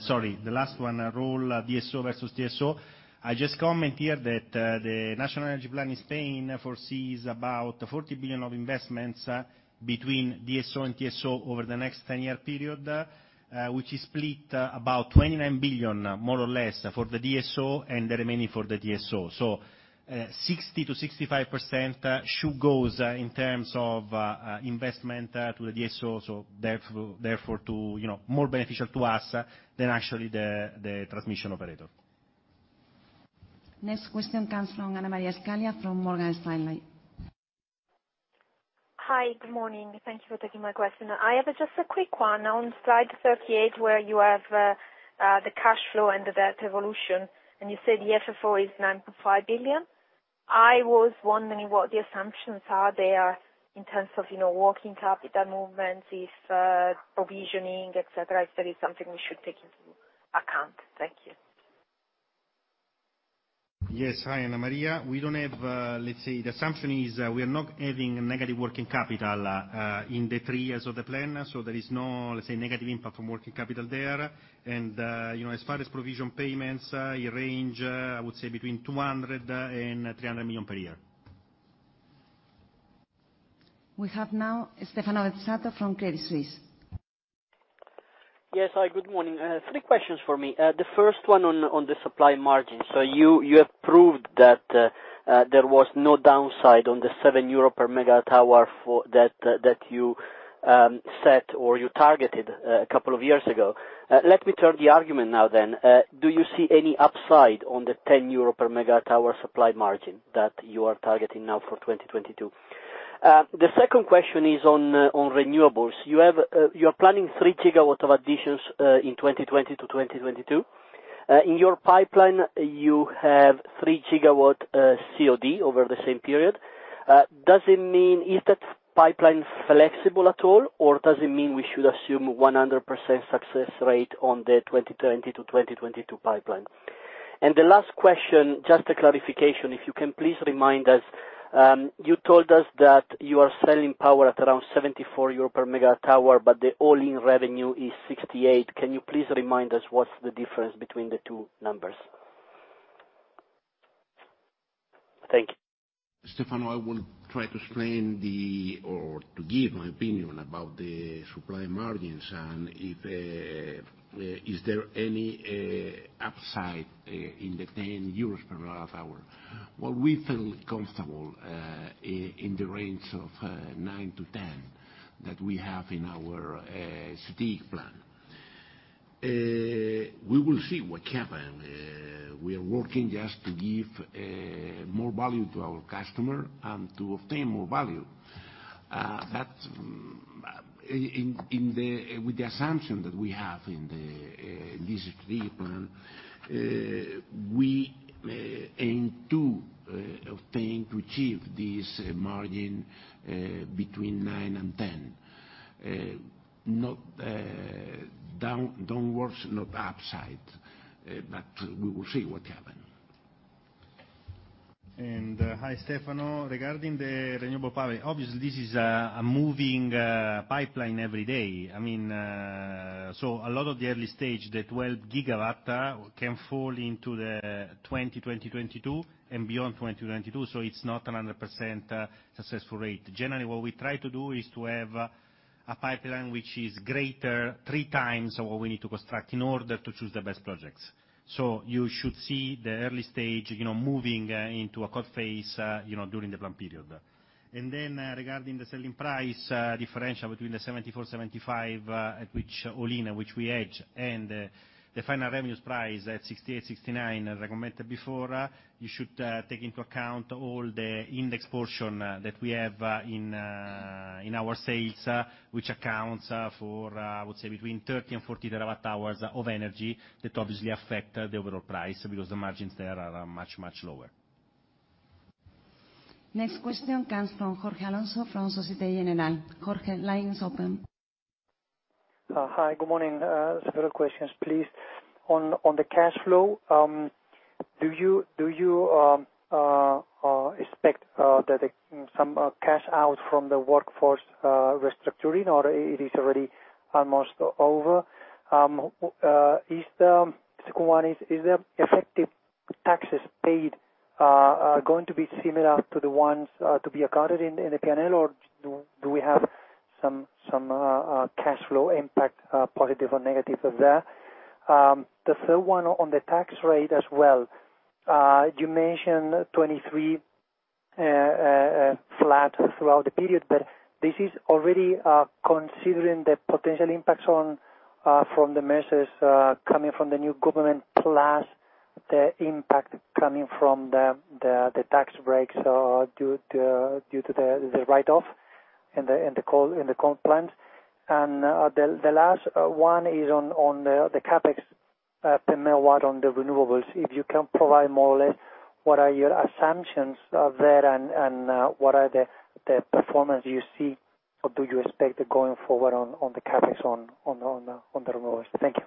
Sorry, the last one, role DSO versus TSO. I just comment here that the National Energy Plan in Spain foresees about 40 billion of investments between DSO and TSO over the next 10-year period, which is split about 29 billion, more or less, for the DSO and the remaining for the TSO. 60%-65% should go in terms of investment to the DSO, so therefore more beneficial to us than actually the transmission operator. Next question comes from Anna Maria Scaglia from Morgan Stanley. Hi, good morning. Thank you for taking my question. I have just a quick one on slide 38 where you have the cash flow and the debt evolution, and you said the FFO is 9.5 billion. I was wondering what the assumptions are there in terms of working capital movements, if provisioning, etc., if there is something we should take into account. Thank you. Yes. Hi, Anna Maria. We don't have, let's say, the assumption is we are not having negative working capital in the three years of the plan, so there is no, let's say, negative impact from working capital there. As far as provision payments, it ranges, I would say, between 200 million and 300 million per year. We have now Stefano Bezzato from Credit Suisse. Yes. Hi, good morning. Three questions for me. The first one on the Supply margin. So you have proved that there was no downside on the 7 EUR/MWh that you set or you targeted a couple of years ago. Let me turn the argument now then. Do you see any upside on the 10 EUR/MWh Supply margin that you are targeting now for 2022? The second question is on renewables. You are planning 3 GW of additions in 2020-2022. In your pipeline, you have 3 GW COD over the same period. Does it mean, is that pipeline flexible at all, or does it mean we should assume 100% success rate on the 2020-2022 pipeline? The last question, just a clarification. If you can please remind us, you told us that you are selling power at around 74 EUR/MWh, but the all-in revenue is 68. Can you please remind us what's the difference between the two numbers? Thank you. Stefano, I will try to explain or to give my opinion about the Supply margins and if there is any upside in the 10 EUR/MWh. We feel comfortable in the range of 9-10 that we have in our strategic plan. We will see what happens. We are working just to give more value to our customer and to obtain more value. But with the assumption that we have in this strategic plan, we aim to obtain, to achieve this margin between 9 and 10. Downside, not upside, but we will see what happens. Hi, Stefano. Regarding the renewable power, obviously, this is a moving pipeline every day. I mean, so a lot of the early stage, the 12 gigawatts can fall into the 2020, 2022, and beyond 2022, so it's not 100% successful rate. Generally, what we try to do is to have a pipeline which is greater three times what we need to construct in order to choose the best projects. So you should see the early stage moving into a ready phase during the planned period. And then, regarding the selling price differential between the 74, 75, which all-in and which we hedge, and the final revenue price at 68, 69 recognized before, you should take into account all the indexed portion that we have in our sales, which accounts for, I would say, between 30 and 40 TWh of energy that obviously affect the overall price because the margins there are much, much lower. Next question comes from Jorge Alonso from Société Générale. Jorge, line is open. Hi, good morning. Several questions, please. On the cash flow, do you expect some cash out from the workforce restructuring, or it is already almost over? The second one is, is the effective taxes paid going to be similar to the ones to be accounted in the P&L, or do we have some cash flow impact, positive or negative, of that? The third one on the tax rate as well. You mentioned 23% flat throughout the period, but this is already considering the potential impacts from the measures coming from the new government plus the impact coming from the tax breaks due to the write-off and the coal plants. And the last one is on the CapEx per megawatt on the renewables. If you can provide more or less what are your assumptions there and what are the performance you see or do you expect going forward on the CapEx on the renewables? Thank you.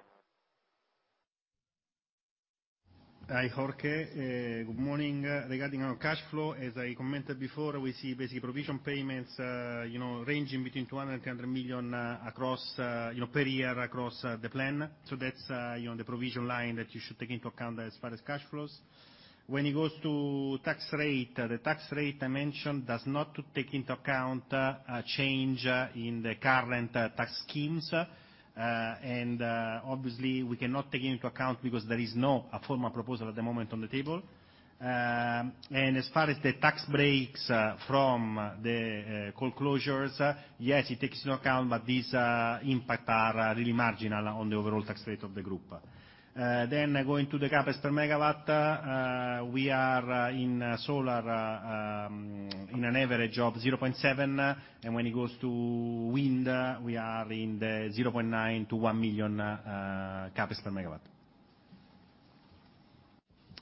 Hi, Jorge. Good morning. Regarding our cash flow, as I commented before, we see basically provision payments ranging between 200 million and 300 million per year across the plan. So that's the provision line that you should take into account as far as cash flows. When it goes to tax rate, the tax rate I mentioned does not take into account a change in the current tax schemes, and obviously, we cannot take into account because there is no formal proposal at the moment on the table, and as far as the tax breaks from the coal closures, yes, it takes into account, but these impacts are really marginal on the overall tax rate of the group, then going to the CapEx per megawatt, we are in solar in an average of 0.7 million, and when it goes to wind, we are in the 0.9 million-1 million CapEx per megawatt.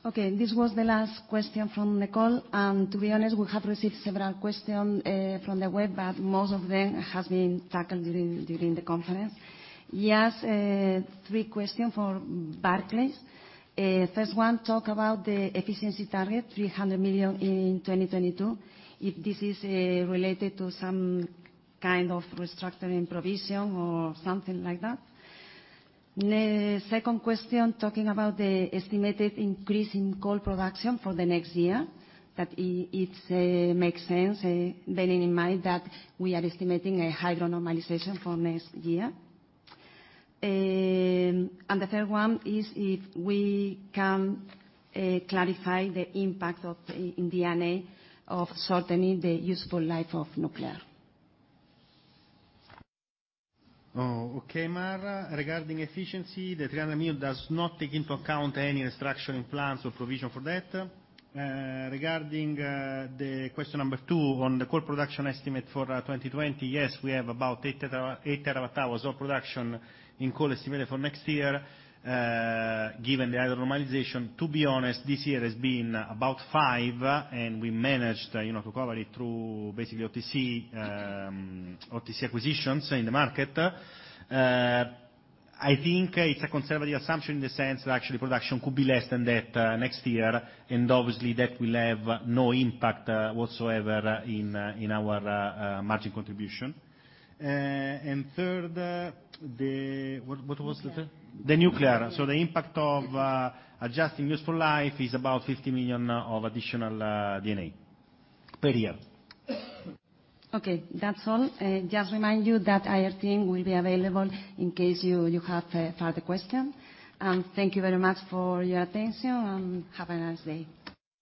Okay. This was the last question from Nicole. And to be honest, we have received several questions from the web, but most of them have been tackled during the conference. Yes, three questions for Barclays. First one, talk about the efficiency target, 300 million in 2022, if this is related to some kind of restructuring provision or something like that. Second question, talking about the estimated increase in coal production for the next year, that it makes sense bearing in mind that we are estimating a hydro normalization for next year. The third one is if we can clarify the impact of in the D&A of shortening the useful life of nuclear. Okay, Mar. Regarding efficiency, the EUR 300 million does not take into account any restructuring plans or provision for that. Regarding the question number two on the coal production estimate for 2020, yes, we have about 8 TWh of production in coal estimated for next year given the hydro normalization. To be honest, this year has been about five, and we managed to cover it through basically OTC acquisitions in the market. I think it's a conservative assumption in the sense that actually production could be less than that next year, and obviously, that will have no impact whatsoever in our margin contribution. And third, what was the third? The nuclear. So the impact of adjusting useful life is about 50 million of additional D&A per year. Okay. That's all. Just remind you that IR team will be available in case you have further questions. And thank you very much for your attention, and have a nice day.